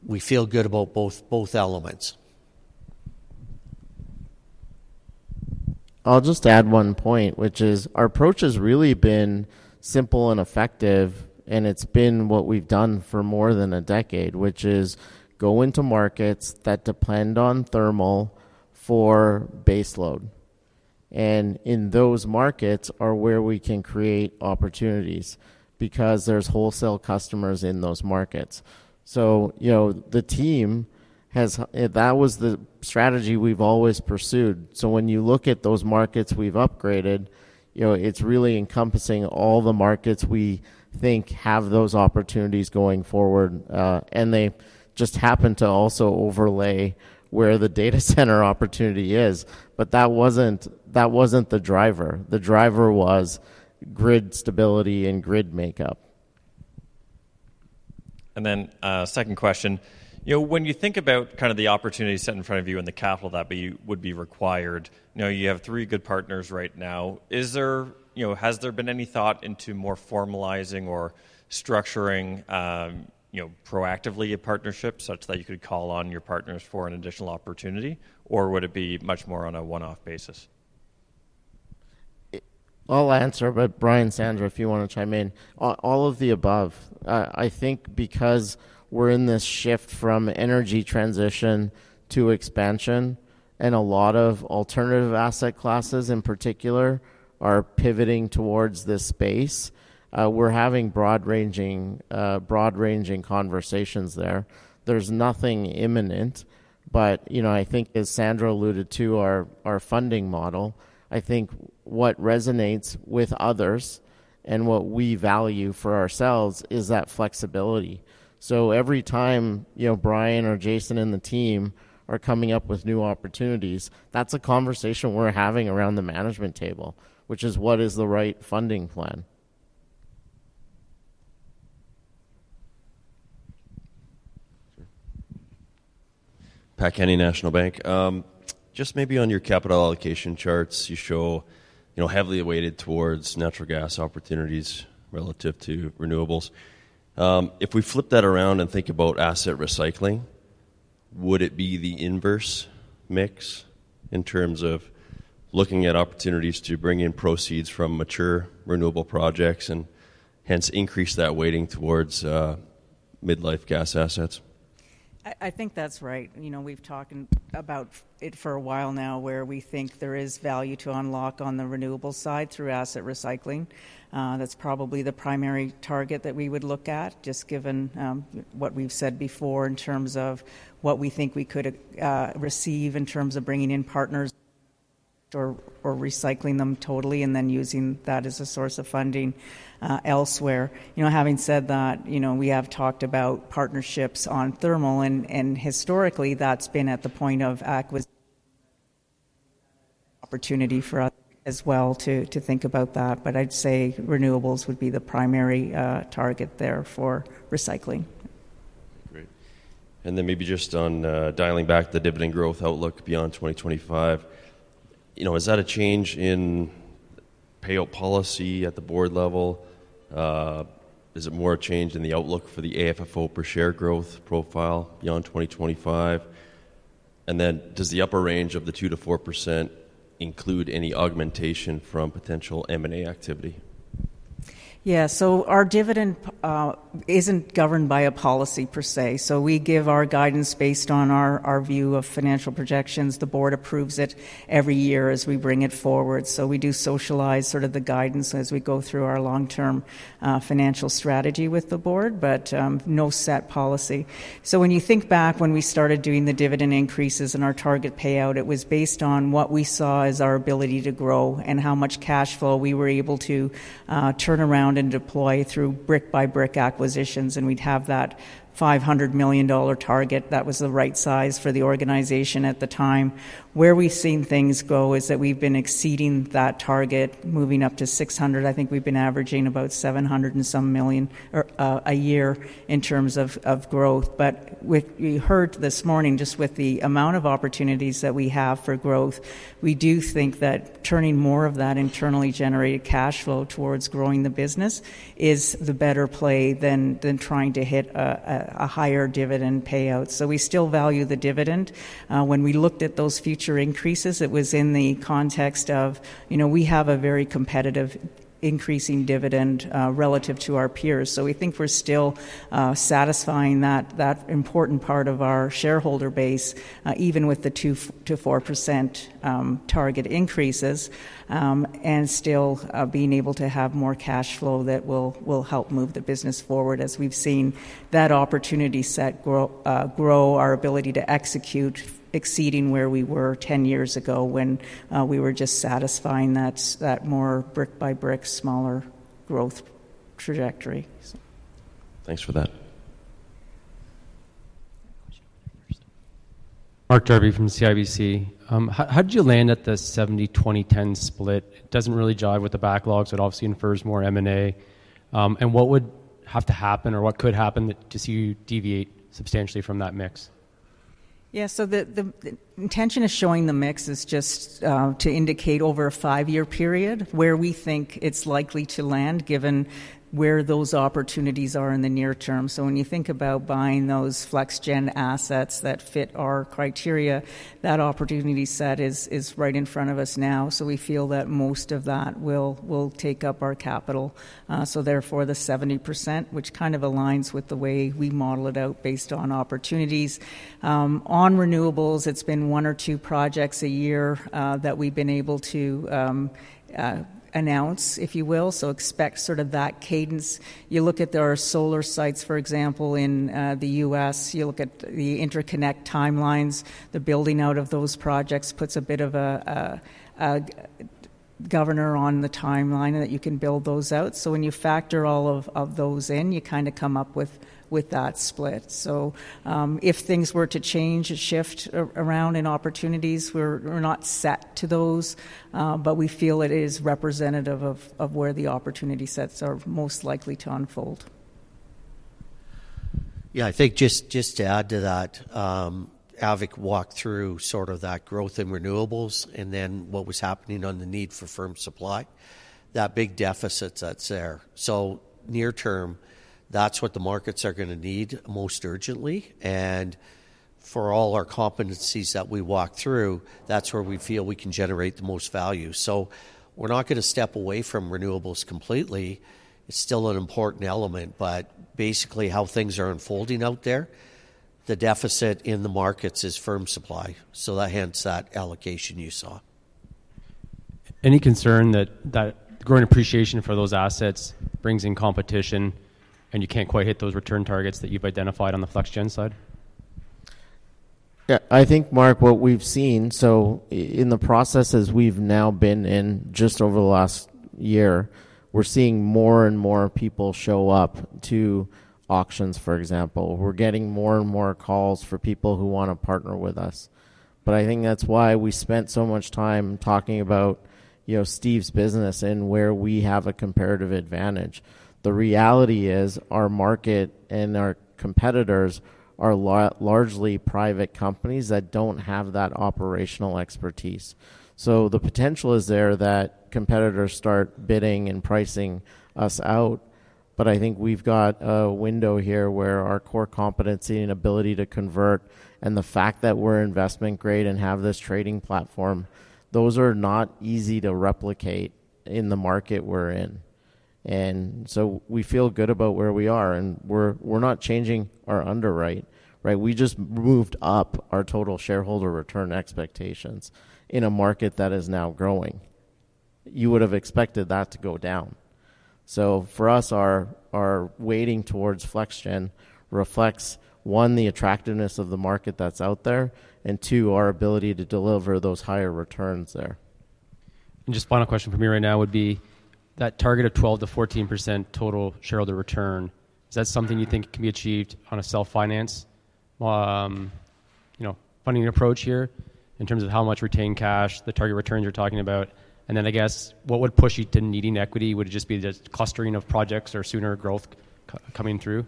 we feel good about both elements. I'll just add one point, which is our approach has really been simple and effective, and it's been what we've done for more than a decade, which is go into markets that depend on thermal for baseload. And in those markets are where we can create opportunities because there's wholesale customers in those markets. So the team, that was the strategy we've always pursued. So when you look at those markets we've upgraded, it's really encompassing all the markets we think have those opportunities going forward. And they just happen to also overlay where the data center opportunity is. But that wasn't the driver. The driver was grid stability and grid makeup. And then second question. When you think about kind of the opportunity set in front of you and the capital that would be required, you have three good partners right now. Has there been any thought into more formalizing or structuring proactively a partnership such that you could call on your partners for an additional opportunity, or would it be much more on a one-off basis? I'll answer, but Bryan, Sandra, if you want to chime in. All of the above. I think because we're in this shift from energy transition to expansion, and a lot of alternative asset classes in particular are pivoting towards this space, we're having broad-ranging conversations there. There's nothing imminent. But I think, as Sandra alluded to, our funding model, I think what resonates with others and what we value for ourselves is that flexibility. So every time Bryan or Jason and the team are coming up with new opportunities, that's a conversation we're having around the management table, which is what is the right funding plan? Pat Kenny, National Bank. Just maybe on your capital allocation charts, you show heavily weighted towards natural gas opportunities relative to renewables. If we flip that around and think about asset recycling, would it be the inverse mix in terms of looking at opportunities to bring in proceeds from mature renewable projects and hence increase that weighting towards midlife gas assets? I think that's right. We've talked about it for a while now where we think there is value to unlock on the renewable side through asset recycling. That's probably the primary target that we would look at, just given what we've said before in terms of what we think we could receive in terms of bringing in partners or recycling them totally and then using that as a source of funding elsewhere. Having said that, we have talked about partnerships on thermal. Historically, that's been at the point of acquisition. Opportunity for us as well to think about that. But I'd say renewables would be the primary target there for recycling. Great. And then maybe just on dialing back the dividend growth outlook beyond 2025, is that a change in payout policy at the board level? Is it more a change in the outlook for the AFFO per share growth profile beyond 2025? And then does the upper range of the 2%-4% include any augmentation from potential M&A activity? Yeah. So our dividend isn't governed by a policy per se. So we give our guidance based on our view of financial projections. The board approves it every year as we bring it forward. So we do socialize sort of the guidance as we go through our long-term financial strategy with the board, but no set policy. So when you think back when we started doing the dividend increases and our target payout, it was based on what we saw as our ability to grow and how much cash flow we were able to turn around and deploy through brick-by-brick acquisitions. And we'd have that 500 million dollar target. That was the right size for the organization at the time. Where we've seen things go is that we've been exceeding that target, moving up to 600 million. I think we've been averaging about 700 million and some a year in terms of growth. But we heard this morning just with the amount of opportunities that we have for growth, we do think that turning more of that internally generated cash flow towards growing the business is the better play than trying to hit a higher dividend payout. So we still value the dividend. When we looked at those future increases, it was in the context of we have a very competitive increasing dividend relative to our peers. So we think we're still satisfying that important part of our shareholder base, even with the 2%-4% target increases, and still being able to have more cash flow that will help move the business forward as we've seen that opportunity set grow our ability to execute, exceeding where we were 10 years ago when we were just satisfying that more brick-by-brick, smaller growth trajectory. Thanks for that. Mark Jarvi from the CIBC. How did you land at the 70/20/10 split? It doesn't really jive with the backlogs, but obviously infers more M&A. And what would have to happen or what could happen to see you deviate substantially from that mix? Yeah. The intention of showing the mix is just to indicate over a five-year period where we think it's likely to land given where those opportunities are in the near term. So when you think about buying those FlexGen assets that fit our criteria, that opportunity set is right in front of us now. So we feel that most of that will take up our capital. So therefore, the 70%, which kind of aligns with the way we model it out based on opportunities. On renewables, it's been one or two projects a year that we've been able to announce, if you will. So expect sort of that cadence. You look at there are solar sites, for example, in the U.S. You look at the interconnect timelines. The building out of those projects puts a bit of a governor on the timeline that you can build those out. So when you factor all of those in, you kind of come up with that split. So if things were to change or shift around in opportunities, we're not set to those. But we feel it is representative of where the opportunity sets are most likely to unfold. Yeah. I think just to add to that, Avik walked through sort of that growth in renewables and then what was happening on the need for firm supply, that big deficit that's there. So near term, that's what the markets are going to need most urgently. And for all our competencies that we walk through, that's where we feel we can generate the most value. So we're not going to step away from renewables completely. It's still an important element. But basically, how things are unfolding out there, the deficit in the markets is firm supply. So hence that allocation you saw. Any concern that growing appreciation for those assets brings in competition and you can't quite hit those return targets that you've identified on the FlexGen side? Yeah. I think, Mark, what we've seen so in the processes we've now been in just over the last year, we're seeing more and more people show up to auctions, for example. We're getting more and more calls for people who want to partner with us. But I think that's why we spent so much time talking about Steve's business and where we have a comparative advantage. The reality is our market and our competitors are largely private companies that don't have that operational expertise. So the potential is there that competitors start bidding and pricing us out. But I think we've got a window here where our core competency and ability to convert and the fact that we're investment-grade and have this trading platform, those are not easy to replicate in the market we're in. And so we feel good about where we are. And we're not changing our underwrite, right? We just moved up our total shareholder return expectations in a market that is now growing. You would have expected that to go down. So for us, our weighting towards FlexGen reflects, one, the attractiveness of the market that's out there, and two, our ability to deliver those higher returns there. And just final question from me right now would be that target of 12%-14% total shareholder return, is that something you think can be achieved on a self-finance funding approach here in terms of how much retained cash, the target returns you're talking about? And then I guess what would push you to needing equity? Would it just be the clustering of projects or sooner growth coming through?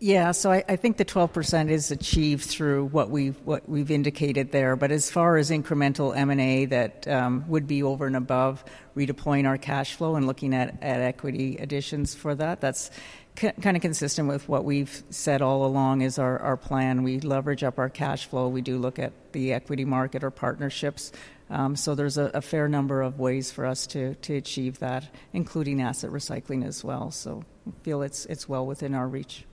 Yeah. So I think the 12% is achieved through what we've indicated there. But as far as incremental M&A that would be over and above, redeploying our cash flow and looking at equity additions for that, that's kind of consistent with what we've said all along is our plan. We leverage up our cash flow. We do look at the equity market or partnerships. So there's a fair number of ways for us to achieve that, including asset recycling as well. So I feel it's well within our reach.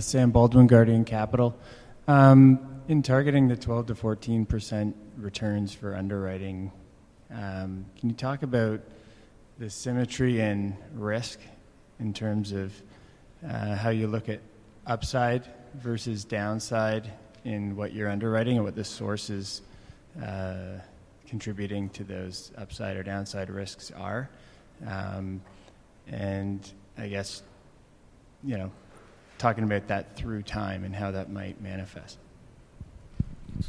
Sam Baldwin, Guardian Capital. In targeting the 12%-14% returns for underwriting, can you talk about the symmetry in risk in terms of how you look at upside versus downside in what you're underwriting and what the source is contributing to those upside or downside risks are? And I guess talking about that through time and how that might manifest. You can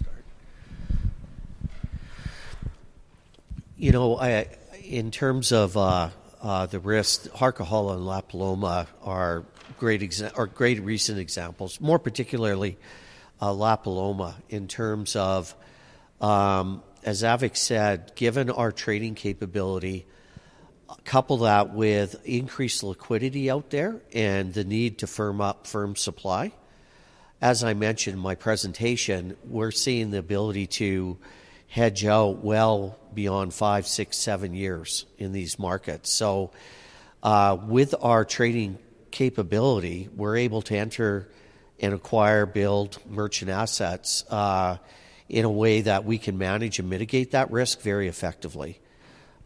start. In terms of the risk, Harquahala and La Paloma are great recent examples, more particularly La Paloma in terms of, as Avik said, given our trading capability, couple that with increased liquidity out there and the need to firm up firm supply. As I mentioned in my presentation, we're seeing the ability to hedge out well beyond five, six, seven years in these markets. So with our trading capability, we're able to enter and acquire, build merchant assets in a way that we can manage and mitigate that risk very effectively.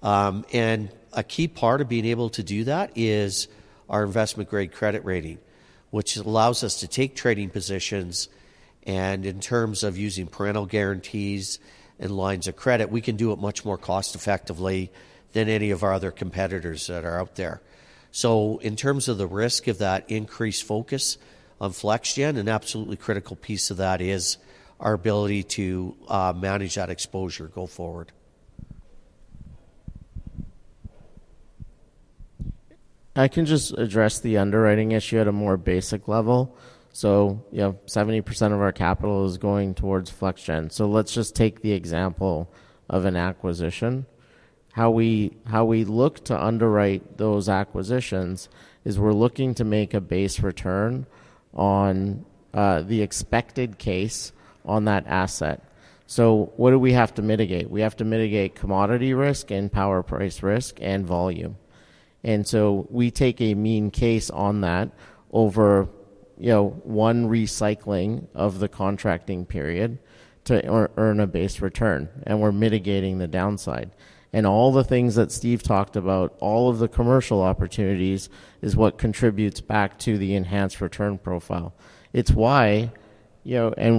And a key part of being able to do that is our investment-grade credit rating, which allows us to take trading positions. And in terms of using parent guarantees and lines of credit, we can do it much more cost-effectively than any of our other competitors that are out there. So in terms of the risk of that increased focus on FlexGen, an absolutely critical piece of that is our ability to manage that exposure go forward. I can just address the underwriting issue at a more basic level. So 70% of our capital is going towards FlexGen. So let's just take the example of an acquisition. How we look to underwrite those acquisitions is we're looking to make a base return on the expected case on that asset. So what do we have to mitigate? We have to mitigate commodity risk and power price risk and volume. And so we take a mean case on that over one recycling of the contracting period to earn a base return. And we're mitigating the downside. And all the things that Steve talked about, all of the commercial opportunities, is what contributes back to the enhanced return profile. And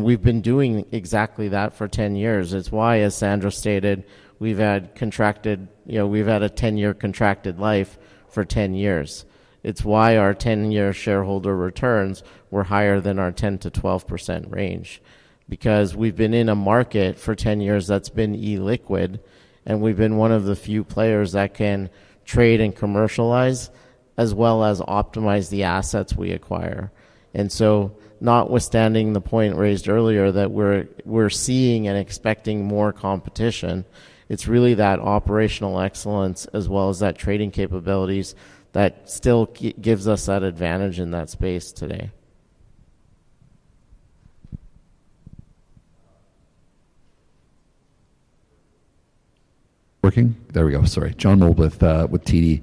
we've been doing exactly that for 10 years. It's why, as Sandra stated, we've had a 10-year contracted life for 10 years. It's why our 10-year shareholder returns were higher than our 10%-12% range because we've been in a market for 10 years that's been illiquid. We've been one of the few players that can trade and commercialize as well as optimize the assets we acquire. So notwithstanding the point raised earlier that we're seeing and expecting more competition, it's really that operational excellence as well as that trading capabilities that still gives us that advantage in that space today. John Mould with TD.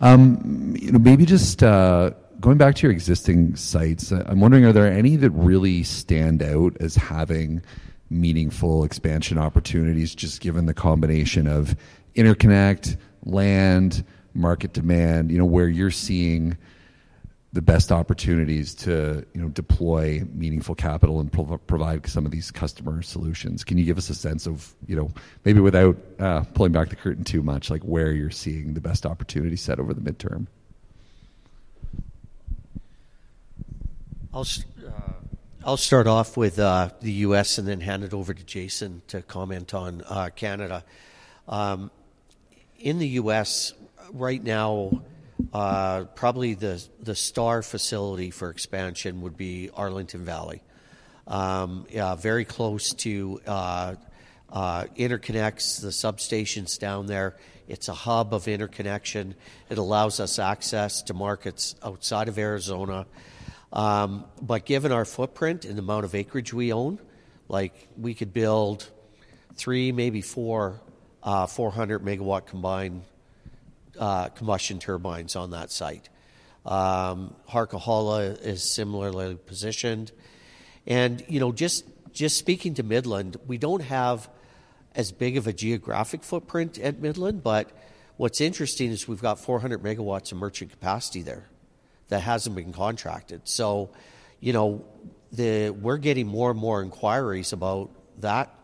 Maybe just going back to your existing sites, I'm wondering, are there any that really stand out as having meaningful expansion opportunities just given the combination of interconnection, land, market demand, where you're seeing the best opportunities to deploy meaningful capital and provide some of these customer solutions? Can you give us a sense of maybe without pulling back the curtain too much, where you're seeing the best opportunity set over the midterm? I'll start off with the U.S. and then hand it over to Jason to comment on Canada. In the U.S., right now, probably the star facility for expansion would be Arlington Valley, very close to interconnects, the substations down there. It's a hub of interconnection. It allows us access to markets outside of Arizona. But given our footprint and the amount of acreage we own, we could build three, maybe four 400-MW combined cycle turbines on that site. Harquahala is similarly positioned. And just speaking to Midland, we don't have as big of a geographic footprint at Midland. But what's interesting is we've got 400 MW of merchant capacity there that hasn't been contracted. So we're getting more and more inquiries about that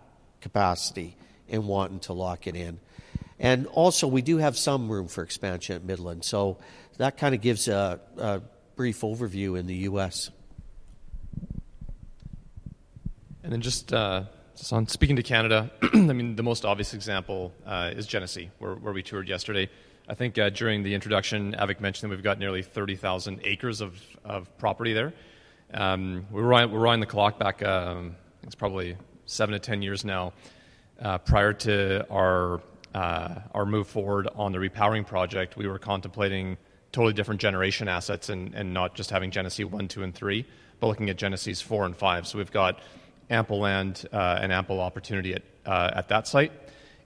capacity and wanting to lock it in. And also, we do have some room for expansion at Midland. So that kind of gives a brief overview in the U.S. And then just speaking to Canada, I mean, the most obvious example is Genesee, where we toured yesterday. I think during the introduction, Avik mentioned that we've got nearly 30,000 acres of property there. We were on the clock back, I think it's probably 7-10 years now. Prior to our move forward on the repowering project, we were contemplating totally different generation assets and not just having Genesee 1, 2, and 3, but looking at Genesee's 4 and 5. So we've got ample land and ample opportunity at that site.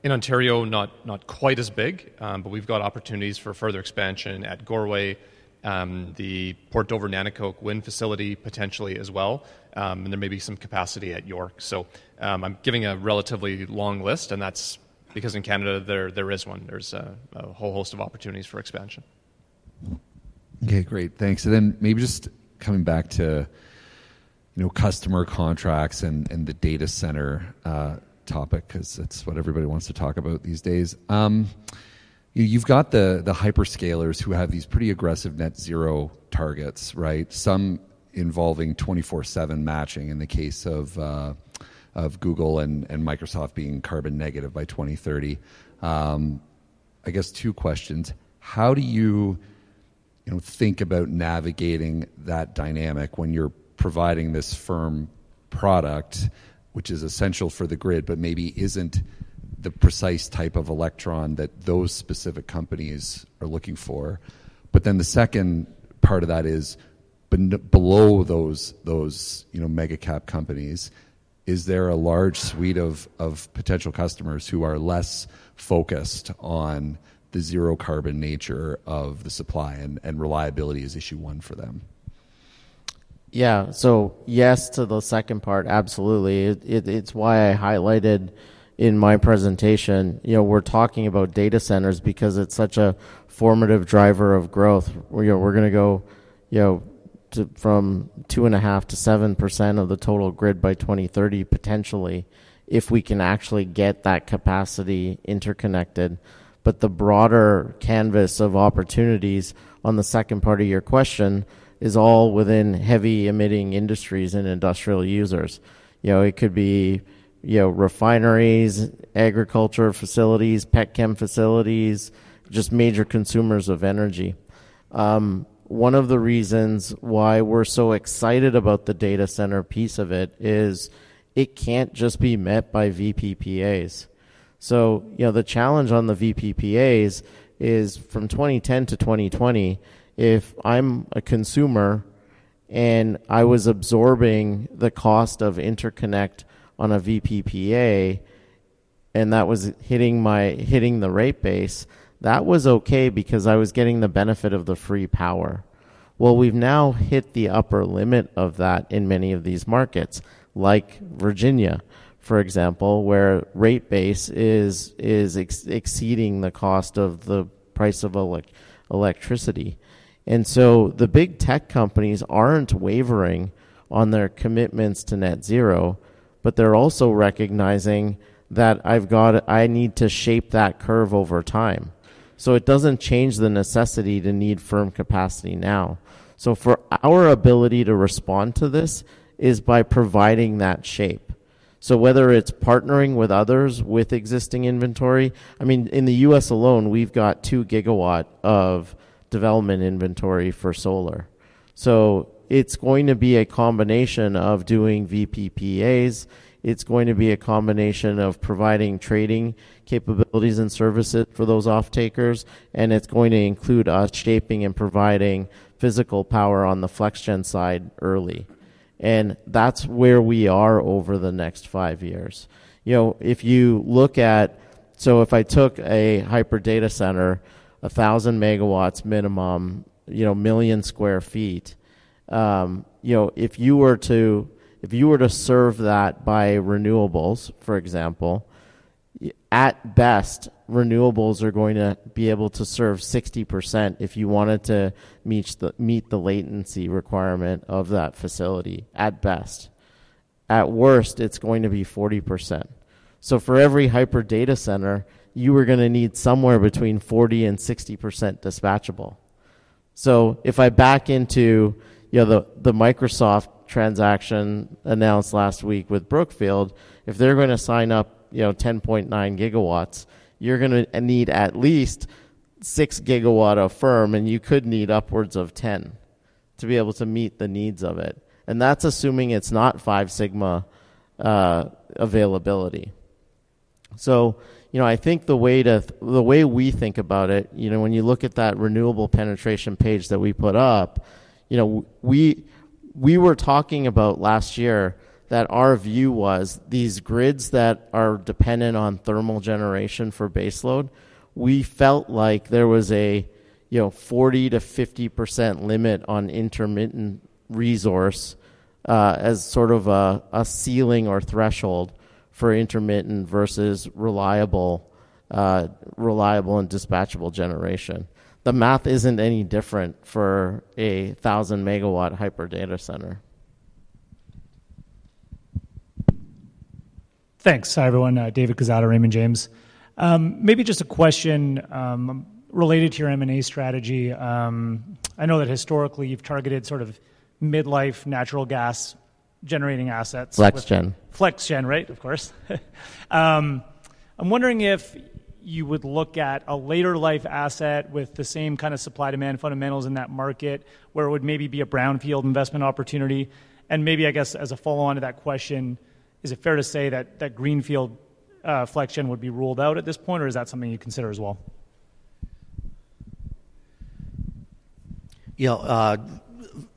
In Ontario, not quite as big, but we've got opportunities for further expansion at Goreway, the Port Dover and Nanticoke wind facility potentially as well. And there may be some capacity at York. So I'm giving a relatively long list. And that's because in Canada, there is one. There's a whole host of opportunities for expansion. Okay. Great. Thanks. And then maybe just coming back to customer contracts and the data center topic because that's what everybody wants to talk about these days. You've got the hyperscalers who have these pretty aggressive net-zero targets, right, some involving 24/7 matching in the case of Google and Microsoft being carbon negative by 2030. I guess two questions. How do you think about navigating that dynamic when you're providing this firm product, which is essential for the grid but maybe isn't the precise type of electron that those specific companies are looking for? But then the second part of that is below those mega-cap companies, is there a large suite of potential customers who are less focused on the zero-carbon nature of the supply? And reliability is issue one for them. Yeah. So yes to the second part, absolutely. It's why I highlighted in my presentation, we're talking about data centers because it's such a formative driver of growth. We're going to go from 2.5%-7% of the total grid by 2030 potentially if we can actually get that capacity interconnected. But the broader canvas of opportunities on the second part of your question is all within heavy-emitting industries and industrial users. It could be refineries, agriculture facilities, pet chem facilities, just major consumers of energy. One of the reasons why we're so excited about the data center piece of it is it can't just be met by VPPAs. So the challenge on the VPPAs is from 2010 to 2020, if I'm a consumer and I was absorbing the cost of interconnect on a VPPA and that was hitting the rate base, that was okay because I was getting the benefit of the free power. Well, we've now hit the upper limit of that in many of these markets, like Virginia, for example, where rate base is exceeding the cost of the price of electricity. And so the big tech companies aren't wavering on their commitments to net-zero. But they're also recognizing that I need to shape that curve over time. So it doesn't change the necessity to need firm capacity now. So for our ability to respond to this is by providing that shape. So whether it's partnering with others with existing inventory, I mean, in the U.S. alone, we've got 2 GW of development inventory for solar. So it's going to be a combination of doing VPPAs. It's going to be a combination of providing trading capabilities and services for those off-takers. And it's going to include us shaping and providing physical power on the FlexGen side early. And that's where we are over the next five years. If you look at so if I took a hyperscale data center, 1,000 MW minimum, 1 million sq ft, if you were to serve that by renewables, for example, at best, renewables are going to be able to serve 60% if you wanted to meet the latency requirement of that facility at best. At worst, it's going to be 40%. So for every hyperscale data center, you are going to need somewhere between 40%-60% dispatchable. So if I back into the Microsoft transaction announced last week with Brookfield, if they're going to sign up 10.9 GW, you're going to need at least 6 GW of firm. And you could need upwards of 10 to be able to meet the needs of it. And that's assuming it's not five sigma availability. So I think the way we think about it, when you look at that renewable penetration page that we put up, we were talking about last year that our view was these grids that are dependent on thermal generation for baseload, we felt like there was a 40%-50% limit on intermittent resource as sort of a ceiling or threshold for intermittent versus reliable and dispatchable generation. The math isn't any different for a 1,000-MW hyperdata center. Thanks, everyone. David Quezada, Raymond James. Maybe just a question related to your M&A strategy. I know that historically, you've targeted sort of midlife, natural gas-generating assets. FlexGen. FlexGen, right? Of course. I'm wondering if you would look at a later-life asset with the same kind of supply-demand fundamentals in that market where it would maybe be a Brownfield investment opportunity. And maybe, I guess, as a follow-on to that question, is it fair to say that greenfield FlexGen would be ruled out at this point? Or is that something you consider as well? Yeah.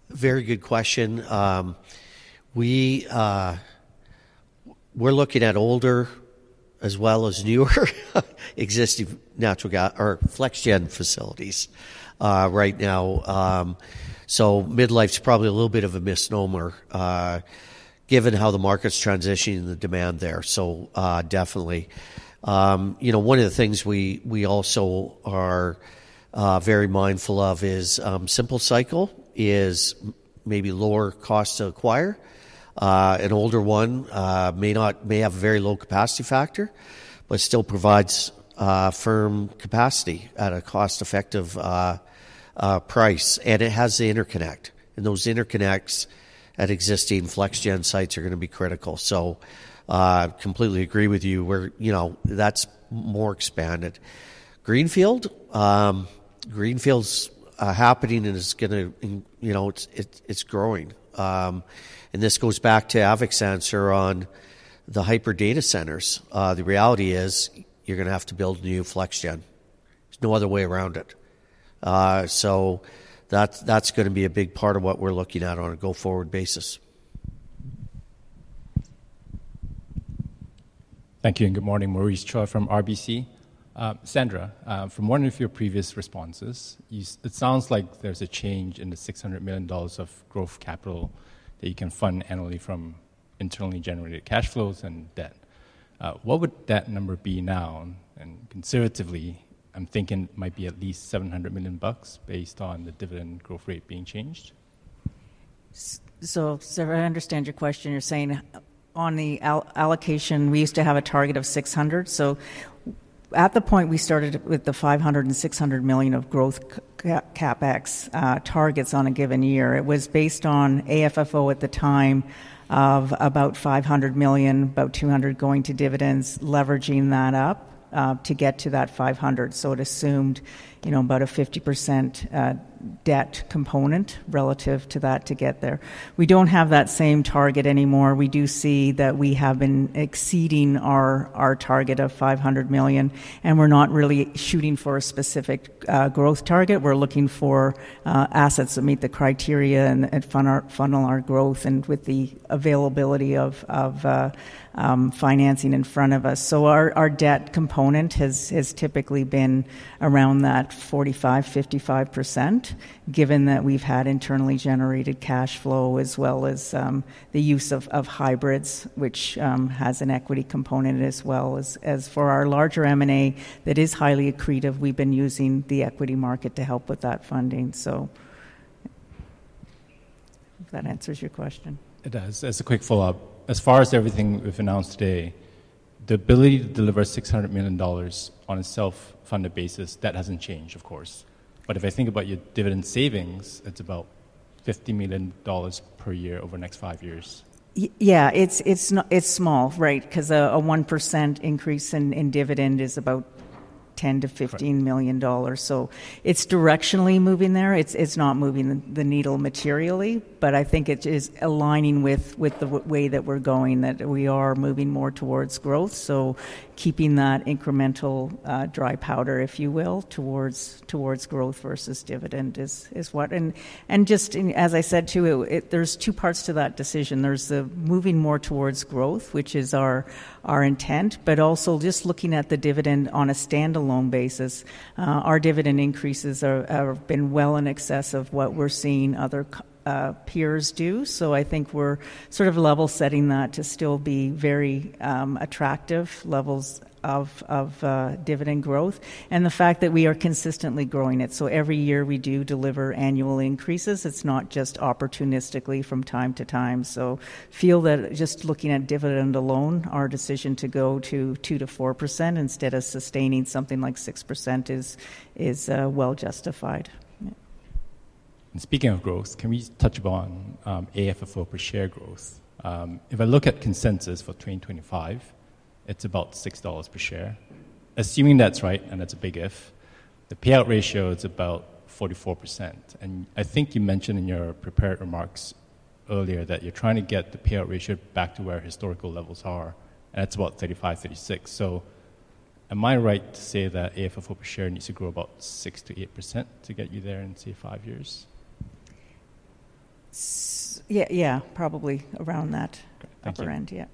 Very good question. We're looking at older as well as newer existing natural gas or FlexGen facilities right now. So midlife's probably a little bit of a misnomer given how the market's transitioning the demand there, so definitely. One of the things we also are very mindful of is simple cycle, is maybe lower cost to acquire. An older one may have a very low capacity factor but still provides firm capacity at a cost-effective price. And it has the interconnect. And those interconnects at existing FlexGen sites are going to be critical. So completely agree with you. That's more expanded. Greenfield's happening. And it's growing. And this goes back to Avik's answer on the hyperdata centers. The reality is you're going to have to build new FlexGen. There's no other way around it. So that's going to be a big part of what we're looking at on a go-forward basis. Thank you. And good morning, Maurice Choy from RBC. Sandra, from one of your previous responses, it sounds like there's a change in the 600 million dollars of growth capital that you can fund annually from internally generated cash flows and debt. What would that number be now? Conservatively, I'm thinking it might be at least 700 million bucks based on the dividend growth rate being changed. So if I understand your question, you're saying on the allocation, we used to have a target of 600 million. So at the point, we started with the 500 million and 600 million of growth CapEx targets on a given year. It was based on AFFO at the time of about 500 million, about 200 million going to dividends, leveraging that up to get to that 500 million. So it assumed about a 50% debt component relative to that to get there. We don't have that same target anymore. We do see that we have been exceeding our target of 500 million. And we're not really shooting for a specific growth target. We're looking for assets that meet the criteria and funnel our growth and with the availability of financing in front of us. So our debt component has typically been around that 45%-55% given that we've had internally generated cash flow as well as the use of hybrids, which has an equity component as well. As for our larger M&A that is highly accretive, we've been using the equity market to help with that funding, so. I hope that answers your question. It does. As a quick follow-up, as far as everything we've announced today, the ability to deliver 600 million dollars on a self-funded basis, that hasn't changed, of course. But if I think about your dividend savings, it's about 50 million dollars per year over the next five years. Yeah. It's small, right, because a 1% increase in dividend is about 10 million-15 million dollars. So it's directionally moving there. It's not moving the needle materially. But I think it is aligning with the way that we're going, that we are moving more towards growth. So keeping that incremental dry powder, if you will, towards growth versus dividend is what and just as I said too, there's two parts to that decision. There's the moving more towards growth, which is our intent. But also just looking at the dividend on a standalone basis, our dividend increases have been well in excess of what we're seeing other peers do. So I think we're sort of level setting that to still be very attractive levels of dividend growth and the fact that we are consistently growing it. So every year, we do deliver annual increases. It's not just opportunistically from time to time. I feel that just looking at dividend alone, our decision to go to 2%-4% instead of sustaining something like 6% is well justified. Speaking of growth, can we touch upon AFFO per share growth? If I look at consensus for 2025, it's about 6 dollars per share. Assuming that's right, and that's a big if, the payout ratio is about 44%. And I think you mentioned in your prepared remarks earlier that you're trying to get the payout ratio back to where historical levels are. And it's about 35, 36. So am I right to say that AFFO per share needs to grow about 6%-8% to get you there in, say, five years? Yeah. Yeah. Probably around that upper end, yeah.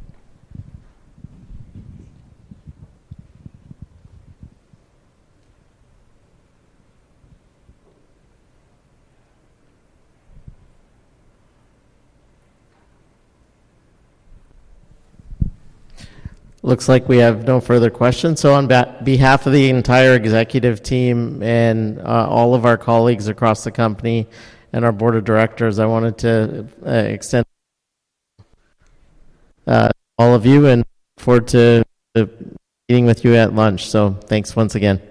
Looks like we have no further questions. On behalf of the entire executive team and all of our colleagues across the company and our board of directors, I wanted to welcome all of you and look forward to meeting with you at lunch. Thanks once again.